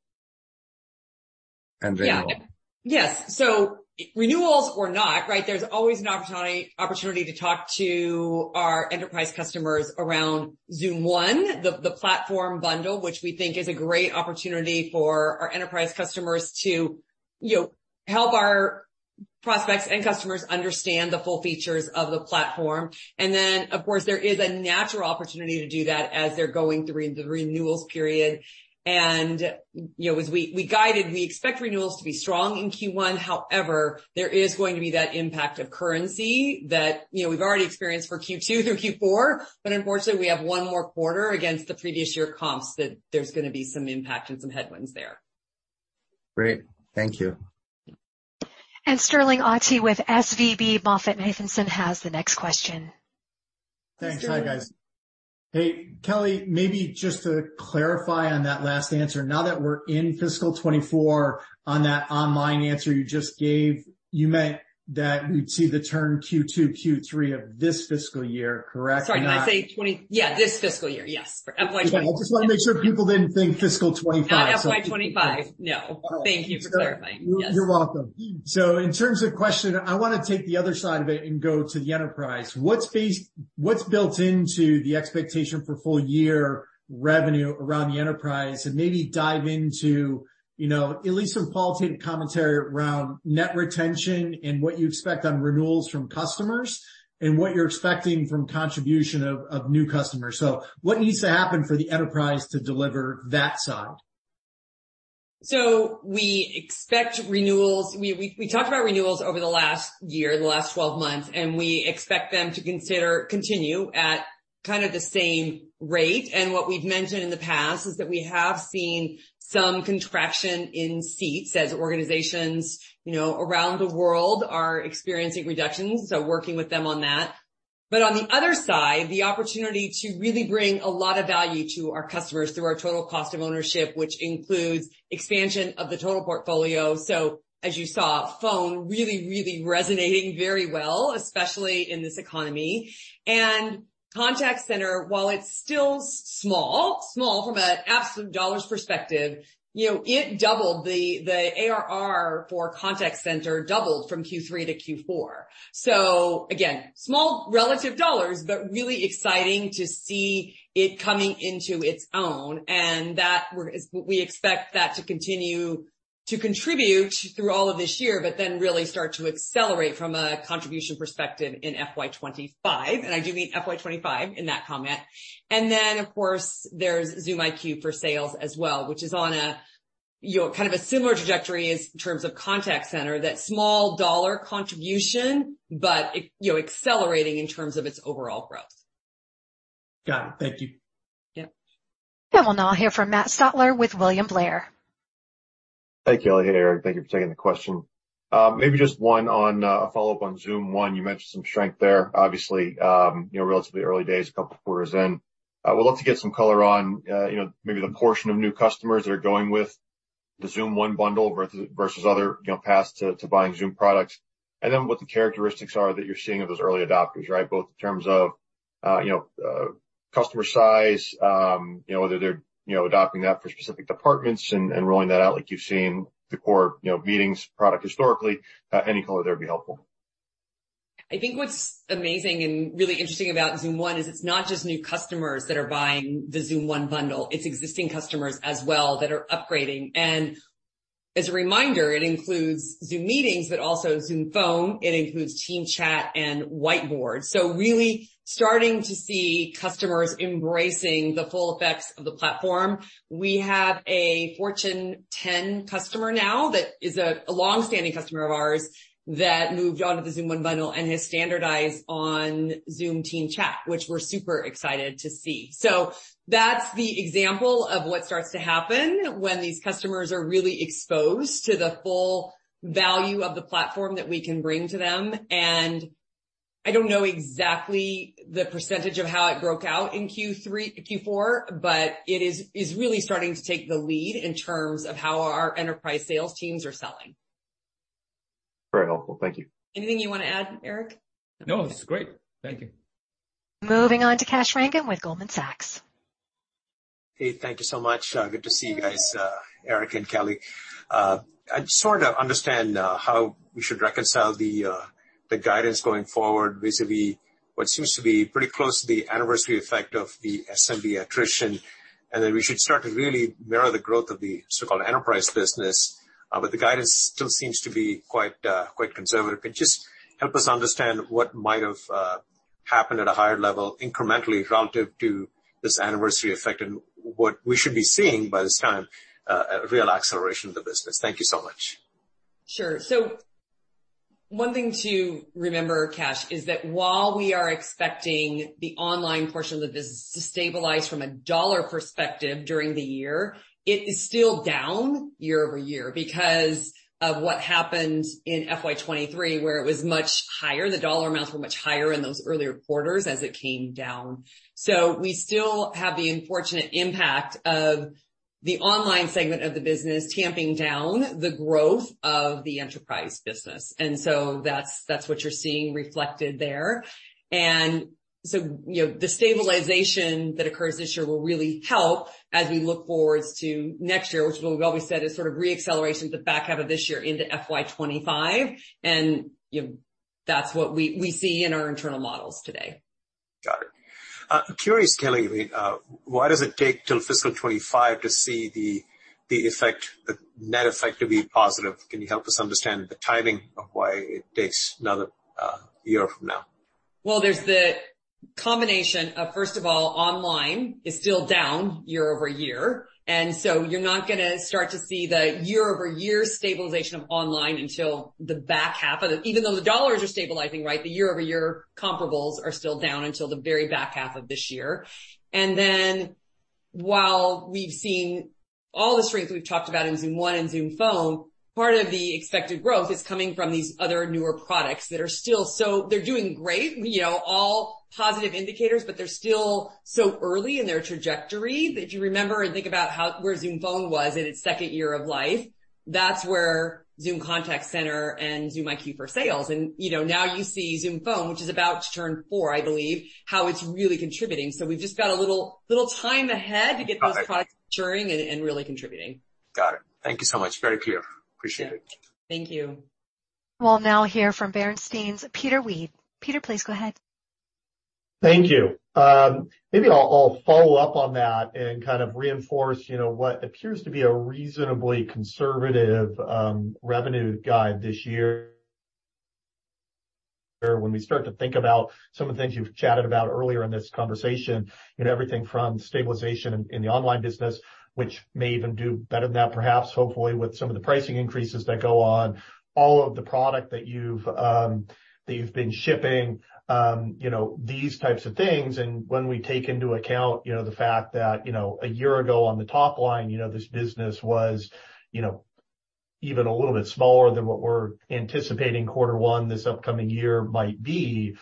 and renewal? Yeah. Yes. Renewals or not, right? There's always an opportunity to talk to our enterprise customers around Zoom One, the platform bundle, which we think is a great opportunity for our enterprise customers to, you know, help our prospects and customers understand the full features of the platform. Of course, there is a natural opportunity to do that as they're going through the renewals period. You know, as we guided, we expect renewals to be strong in Q1. However, there is going to be that impact of currency that, you know, we've already experienced for Q2 through Q4, but unfortunately, we have one more quarter against the previous year comps that there's gonna be some impact and some headwinds there. Great. Thank you. Sterling Auty with SVB MoffettNathanson has the next question. Thanks. Hi, guys. Hey, Kelly, maybe just to clarify on that last answer. Now that we're in fiscal 2024, on that online answer you just gave, you meant that we'd see the turn Q2, Q3 of this fiscal year, correct? Sorry, did I say twenty... Yeah, this fiscal year. Yes. FY 2024. I just want to make sure people didn't think fiscal 2025. Not FY 2025, no. Thank you for clarifying. Yes. You're welcome. In terms of question, I want to take the other side of it and go to the enterprise. What's built into the expectation for full year revenue around the enterprise? Maybe dive into, you know, at least some qualitative commentary around net retention and what you expect on renewals from customers, and what you're expecting from contribution of new customers. What needs to happen for the enterprise to deliver that side? We expect renewals. We talked about renewals over the last year, the last 12 months, and we expect them to continue at kind of the same rate. What we've mentioned in the past is that we have seen some contraction in seats as organizations, you know, around the world are experiencing reductions, so working with them on that. On the other side, the opportunity to really bring a lot of value to our customers through our total cost of ownership, which includes expansion of the total portfolio. As you saw, Zoom Phone really resonating very well, especially in this economy. Zoom Contact Center, while it's still small from an absolute dollar perspective, you know, it doubled the ARR for Zoom Contact Center from Q3 to Q4. Again, small relative dollar, but really exciting to see it coming into its own. That is what we expect that to continue to contribute through all of this year, but then really start to accelerate from a contribution perspective in FY 2025, and I do mean FY 2025 in that comment. Then, of course, there's Zoom IQ for Sales as well, which is on a, you know, kind of a similar trajectory in terms of Zoom Contact Center, that small dollar contribution, but it, you know, accelerating in terms of its overall growth. Got it. Thank you. Yep. We'll now hear from Matt Stotler with William Blair. Thank you. Hey, Eric. Thank you for taking the question. maybe just one on a follow-up on Zoom One. You mentioned some strength there, obviously, you know, relatively early days, a couple quarters in. I would love to get some color on, you know, maybe the portion of new customers that are going with the Zoom One bundle versus other, you know, paths to buying Zoom products, and then what the characteristics are that you're seeing of those early adopters, right? Both in terms of, you know, customer size, you know, whether they're, you know, adopting that for specific departments and rolling that out like you've seen the core, you know, meetings product historically. Any color there would be helpful. I think what's amazing and really interesting about Zoom One is it's not just new customers that are buying the Zoom One bundle, it's existing customers as well that are upgrading. As a reminder, it includes Zoom Meetings, but also Zoom Phone. It includes Team Chat and Whiteboard. Really starting to see customers embracing the full effects of the platform. We have a Fortune 10 customer now that is a long-standing customer of ours that moved on to the Zoom One bundle and has standardized on Zoom Team Chat, which we're super excited to see. That's the example of what starts to happen when these customers are really exposed to the full value of the platform that we can bring to them. I don't know exactly the percent of how it broke out in Q4, but it is really starting to take the lead in terms of how our enterprise sales teams are selling. Very helpful. Thank you. Anything you want to add, Eric? No, this is great. Thank you. Moving on to Kash Rangan with Goldman Sachs. Hey, thank you so much. Good to see you guys, Eric and Kelly. I just wanna understand how we should reconcile the guidance going forward vis-a-vis what seems to be pretty close to the anniversary effect of the SMB attrition, and then we should start to really mirror the growth of the so-called enterprise business. The guidance still seems to be quite conservative. Just help us understand what might have happened at a higher level incrementally relative to this anniversary effect and what we should be seeing by this time, a real acceleration of the business. Thank you so much. Sure. One thing to remember, Kash, is that while we are expecting the online portion of the business to stabilize from a dollar perspective during the year, it is still down year-over-year because of what happened in FY 2023, where it was much higher. The dollar amounts were much higher in those earlier quarters as it came down. We still have the unfortunate impact of the online segment of the business tamping down the growth of the enterprise business. That's what you're seeing reflected there. You know, the stabilization that occurs this year will really help as we look forward to next year, which we've always said is sort of re-acceleration, the back half of this year into FY 2025. You know, that's what we see in our internal models today. Got it. Curious, Kelly, why does it take till fiscal 2025 to see the effect, the net effect to be positive? Can you help us understand the timing of why it takes another year from now? There's the combination of, first of all, online is still down year-over-year, you're not gonna start to see the year-over-year stabilization of online until the back half of the even though the dollars are stabilizing, right. The year-over-year comparables are still down until the very back half of this year. While we've seen all the strength we've talked about in Zoom One and Zoom Phone, part of the expected growth is coming from these other newer products that are still so they're doing great, you know, all positive indicators, but they're still so early in their trajectory that if you remember and think about how where Zoom Phone was in its second year of life, that's where Zoom Contact Center and Zoom IQ for Sales. you know, now you see Zoom Phone, which is about to turn four, I believe, how it's really contributing. We've just got a little time ahead to get those products maturing and really contributing. Got it. Thank you so much. Very clear. Appreciate it. Thank you. We'll now hear from Bernstein's Peter Weed. Peter, please go ahead. Thank you. Maybe I'll follow up on that and kind of reinforce, you know, what appears to be a reasonably conservative revenue guide this year. When we start to think about some of the things you've chatted about earlier in this conversation, you know, everything from stabilization in the online business, which may even do better than that, perhaps, hopefully, with some of the pricing increases that go on all of the product that you've been shipping, you know, these types of things. When we take into account, you know, the fact that, you know, a year ago on the top line, you know, this business was, you know, even a little bit smaller than what we're anticipating Q1 this upcoming year might be,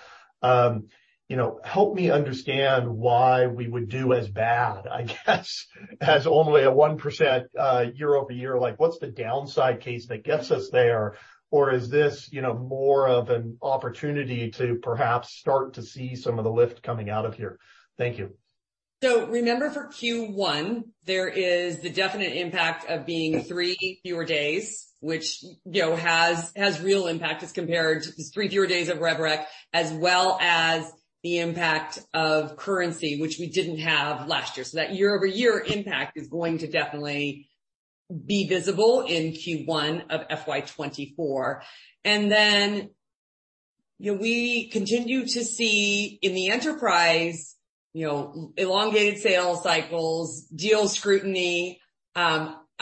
you know, help me understand why we would do as bad, I guess as only a 1% year-over-year. Like, what's the downside case that gets us there? Or is this, you know, more of an opportunity to perhaps start to see some of the lift coming out of here? Thank you. Remember for Q1, there is the definite impact of being three fewer days, which, you know, has real impact as compared to these three fewer days of Revenue Recognition, as well as the impact of currency, which we didn't have last year. That year-over-year impact is going to definitely be visible in Q1 of FY 2024. Then, you know, we continue to see in the enterprise, you know, elongated sales cycles, deal scrutiny.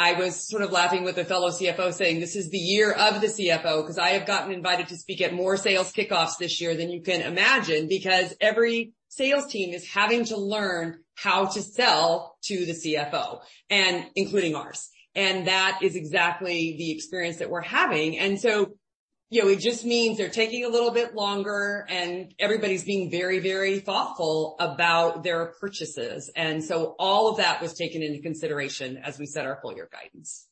I was sort of laughing with a fellow CFO saying, "This is the year of the CFO," because I have gotten invited to speak at more sales kickoffs this year than you can imagine, because every sales team is having to learn how to sell to the CFO, and including ours. That is exactly the experience that we're having. You know, it just means they're taking a little bit longer, and everybody's being very, very thoughtful about their purchases. All of that was taken into consideration as we set our full year guidance.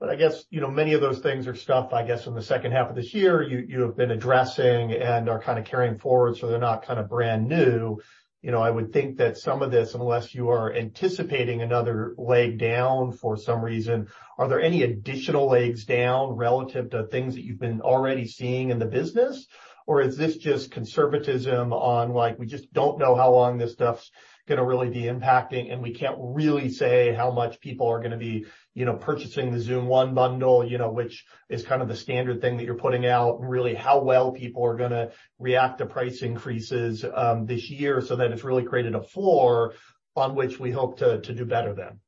I guess, you know, many of those things are stuff, I guess, in the second half of this year you have been addressing and are kind of carrying forward, so they're not kind of brand new. You know, I would think that some of this, unless you are anticipating another leg down for some reason, are there any additional legs down relative to things that you've been already seeing in the business? Is this just conservatism on, like, we just don't know how long this stuff's gonna really be impacting, and we can't really say how much people are gonna be, you know, purchasing the Zoom One bundle, you know, which is kind of the standard thing that you're putting out, and really how well people are gonna react to price increases this year so that it's really created a floor on which we hope to do better then?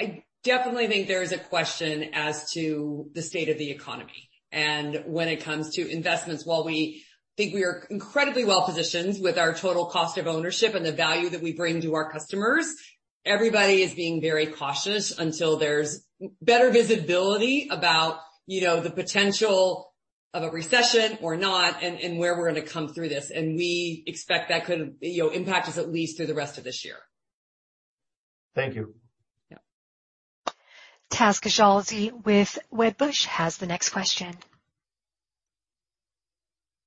I definitely think there is a question as to the state of the economy. When it comes to investments, while we think we are incredibly well-positioned with our total cost of ownership and the value that we bring to our customers, everybody is being very cautious until there's better visibility about, you know, the potential of a recession or not, and where we're gonna come through this. We expect that could, you know, impact us at least through the rest of this year. Thank you. Yeah. Imtiaz Koujalgi with Wedbush has the next question.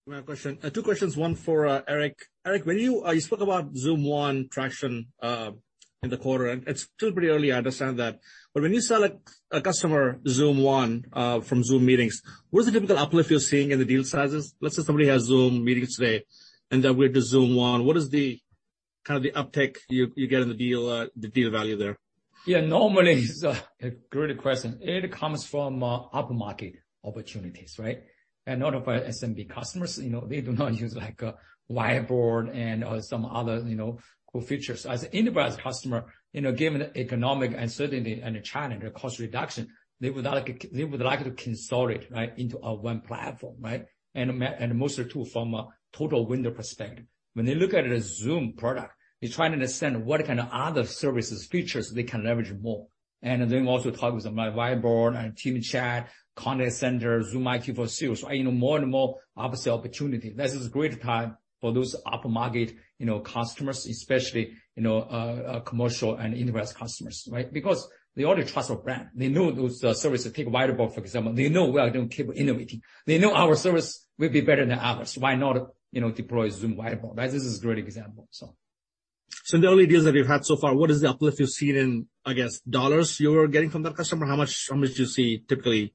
My question. Two questions, one for Eric. Eric, when you spoke about Zoom One traction in the quarter, and it's still pretty early, I understand that. When you sell a customer Zoom One from Zoom Meetings, what is the typical uplift you're seeing in the deal sizes? Let's say somebody has Zoom Meetings today and they upgrade to Zoom One, what is the kinda uptick you get in the deal value there? Yeah, normally it's a great question. It comes from up-market opportunities, right? Not of our SMB customers, you know, they do not use like a Whiteboard and some other, you know, cool features. As an enterprise customer, you know, given economic uncertainty and a challenge of cost reduction, they would like to consolidate, right? Into one platform, right? Mostly too from a total window perspective. When they look at a Zoom product, they're trying to understand what kind of other services, features they can leverage more. Then also talk with my Whiteboard and Team Chat, Contact Center, Zoom IQ for Sales, you know, more and more upsell opportunity. This is a great time for those up-market, you know, customers, especially, you know, commercial and enterprise customers, right? Because they already trust our brand. They know those services. Take Zoom Whiteboard, for example. They know we are doing keep innovating. They know our service will be better than others. Why not, you know, deploy Zoom Whiteboard, right? This is a great example, so. In the early deals that you've had so far, what is the uplift you've seen in, I guess, dollars you're getting from that customer? How much do you see typically,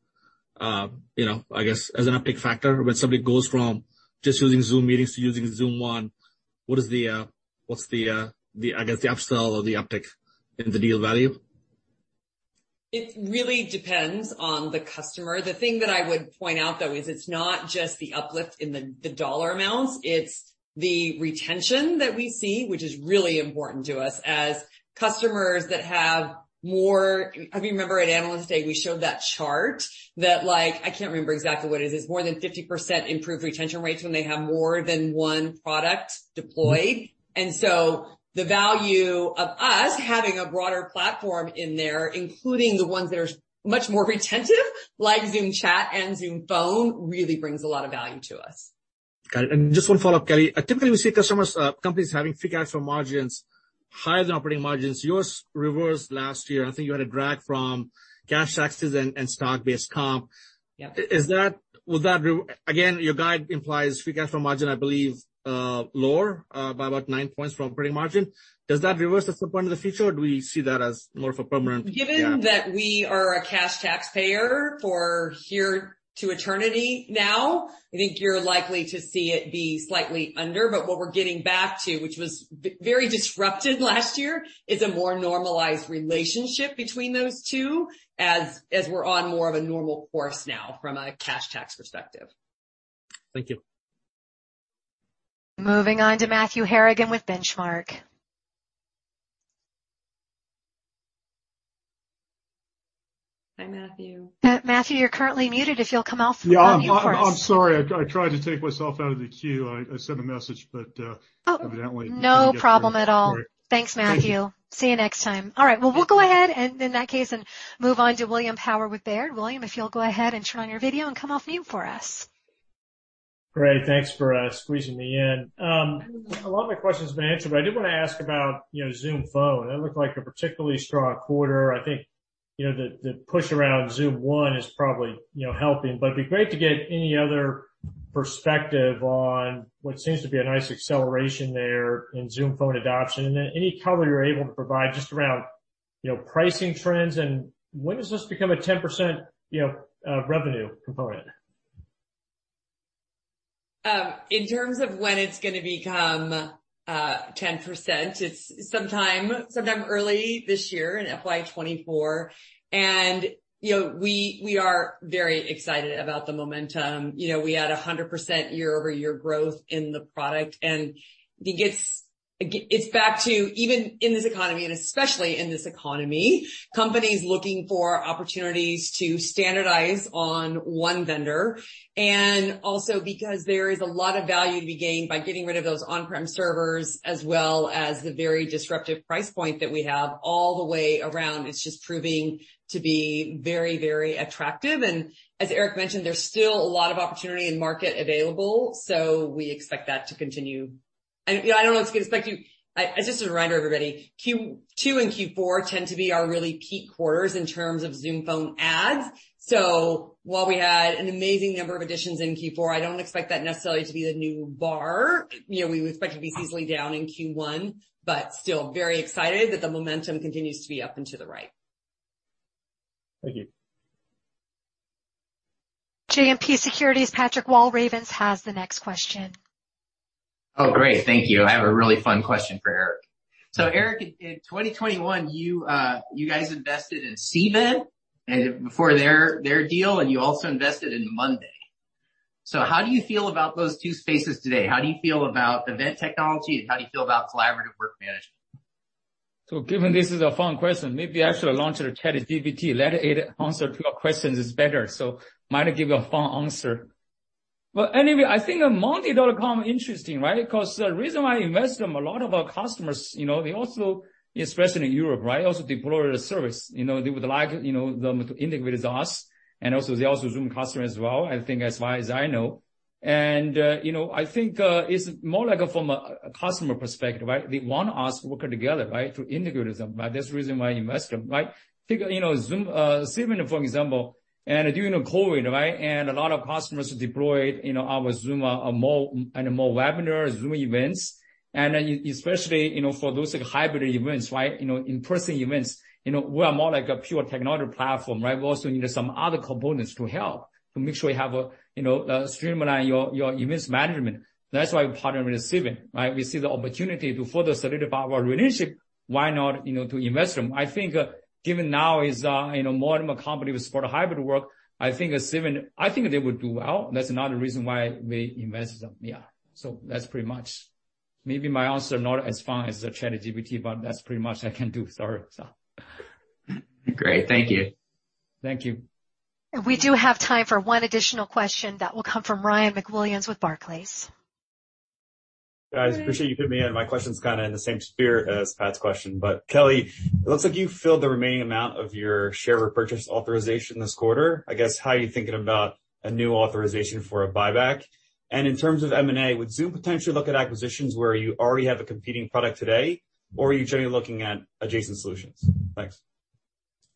you know, I guess as an uptick factor when somebody goes from just using Zoom Meetings to using Zoom One? What is the, what's the, I guess the upsell or the uptick in the deal value? It really depends on the customer. The thing that I would point out, though, is it's not just the uplift in the dollar amounts, it's the retention that we see, which is really important to us as customers that have more... If you remember at Analyst Day, we showed that chart that, like, I can't remember exactly what it is. It's more than 50% improved retention rates when they have more than one product deployed. The value of us having a broader platform in there, including the ones that are much more retentive, like Zoom Chat and Zoom Phone, really brings a lot of value to us. Got it. Just 1 follow-up, Kelly. Typically, we see customers, companies having free cash flow margins higher than operating margins. Yours reversed last year. I think you had a drag from cash taxes and stock-based comp. Yeah. Again, your guide implies free cash flow margin, I believe, lower, by about 9 points from operating margin. Does that reverse at some point in the future, or do we see that as more of a permanent gap? Given that we are a cash taxpayer for here to eternity now, I think you're likely to see it be slightly under, but what we're getting back to, which was very disrupted last year, is a more normalized relationship between those two as we're on more of a normal course now from a cash tax perspective. Thank you. Moving on to Matthew Harrigan with Benchmark. Hi, Matthew. Matthew, you're currently muted. If you'll come off mute for us. Yeah. I'm sorry. I tried to take myself out of the queue. I sent a message, but. Oh. Evidently, didn't get through. No problem at all. Great. Thanks, Matthew. Thank you. See you next time. All right. Thank you. Well, we'll go ahead and in that case and move on to William Power with Baird. William, if you'll go ahead and turn on your video and come off mute for us. Great, thanks for squeezing me in. A lot of my questions have been answered, but I did wanna ask about, you know, Zoom Phone. That looked like a particularly strong quarter. I think, you know, the push around Zoom One is probably, you know, helping, but it'd be great to get any other perspective on what seems to be a nice acceleration there in Zoom Phone adoption and then any color you're able to provide just around, you know, pricing trends and when does this become a 10%, you know, revenue component? In terms of when it's going to become 10%, it's sometime early this year in FY 2024. You know, we are very excited about the momentum. You know, we had a 100% year-over-year growth in the product. It's back to even in this economy, and especially in this economy, companies looking for opportunities to standardize on one vendor, and also because there is a lot of value to be gained by getting rid of those on-prem servers, as well as the very disruptive price point that we have all the way around. It's just proving to be very attractive. As Eric mentioned, there's still a lot of opportunity in market available, so we expect that to continue. You know, I don't know what to expect you... Just a reminder, everybody, Q2 and Q4 tend to be our really peak quarters in terms of Zoom Phone ads. While we had an amazing number of additions in Q4, I don't expect that necessarily to be the new bar. You know, we would expect it to be seasonally down in Q1, but still very excited that the momentum continues to be up and to the right. Thank you. JMP Securities, Patrick Walravens has the next question. Oh, great. Thank you. I have a really fun question for Eric. Eric, in 2021, you guys invested in Cvent, and before their deal, and you also invested in monday.com. How do you feel about those two spaces today? How do you feel about event technology, and how do you feel about collaborative work management? Given this is a fun question, maybe I should launch a ChatGPT, let it answer two questions is better. Might give you a fun answer. Anyway, I think monday.com interesting, right? Because the reason why I invest them, a lot of our customers, you know, they also, especially in Europe, right, also deploy the service. You know, they would like, you know, them to integrate with us, and also they also Zoom customer as well, I think as far as I know. You know, I think it's more like from a customer perspective, right? They want us to work together, right, to integrate them. That's the reason why I invest them, right? Take, you know, Zoom, Cvent, for example, during the COVID, right, a lot of customers deployed, you know, our Zoom, more and more webinars, Zoom Events, especially, you know, for those hybrid events, right, you know, in-person events, you know, we are more like a pure technology platform, right. We also need some other components to help to make sure we have a, you know, streamline your events management. That's why we partner with Cvent, right. We see the opportunity to further solidify our relationship. Why not, you know, to invest them? I think given now is, you know, more and more companies support hybrid work, I think Cvent, I think they would do well. That's another reason why we invest them. Yeah. That's pretty much. Maybe my answer not as fun as the ChatGPT, but that's pretty much I can do. Sorry. Great. Thank you. Thank you. We do have time for one additional question that will come from Ryan MacWilliams with Barclays. Guys, appreciate you fitting me in. My question is kind of in the same spirit as Pat's question. Kelly, it looks like you filled the remaining amount of your share repurchase authorization this quarter. I guess, how are you thinking about a new authorization for a buyback? In terms of M&A, would Zoom potentially look at acquisitions where you already have a competing product today, or are you generally looking at adjacent solutions? Thanks.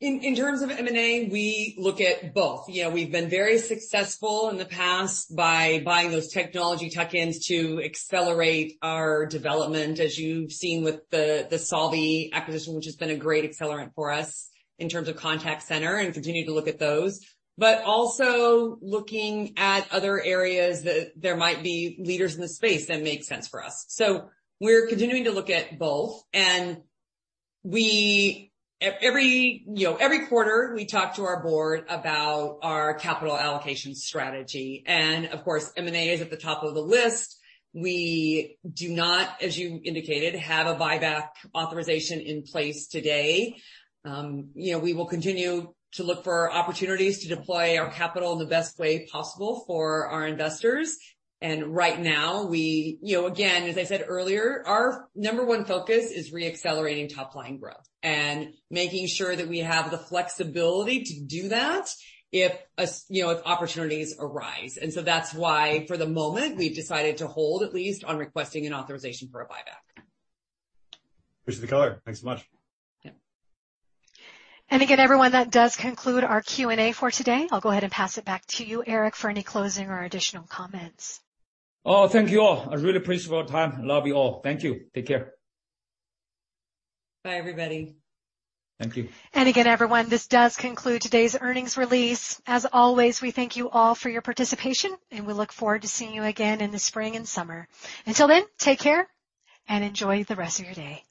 In terms of M&A, we look at both. You know, we've been very successful in the past by buying those technology tech-ins to accelerate our development, as you've seen with the Solvvy acquisition, which has been a great accelerant for us in terms of contact center and continue to look at those. Also looking at other areas that there might be leaders in the space that make sense for us. We're continuing to look at both. Every, you know, every quarter, we talk to our board about our capital allocation strategy, and of course, M&A is at the top of the list. We do not, as you indicated, have a buyback authorization in place today. You know, we will continue to look for opportunities to deploy our capital in the best way possible for our investors. Right now, we, you know, again, as I said earlier, our number one focus is re-accelerating top-line growth and making sure that we have the flexibility to do that if opportunities arise. So that's why, for the moment, we've decided to hold at least on requesting an authorization for a buyback. Appreciate the color. Thanks so much. Yeah. Again, everyone, that does conclude our Q&A for today. I'll go ahead and pass it back to you, Eric, for any closing or additional comments. Oh, thank you all. I really appreciate your time. Love you all. Thank you. Take care. Bye, everybody. Thank you. Again, everyone, this does conclude today's earnings release. As always, we thank you all for your participation, and we look forward to seeing you again in the spring and summer. Until then, take care and enjoy the rest of your day.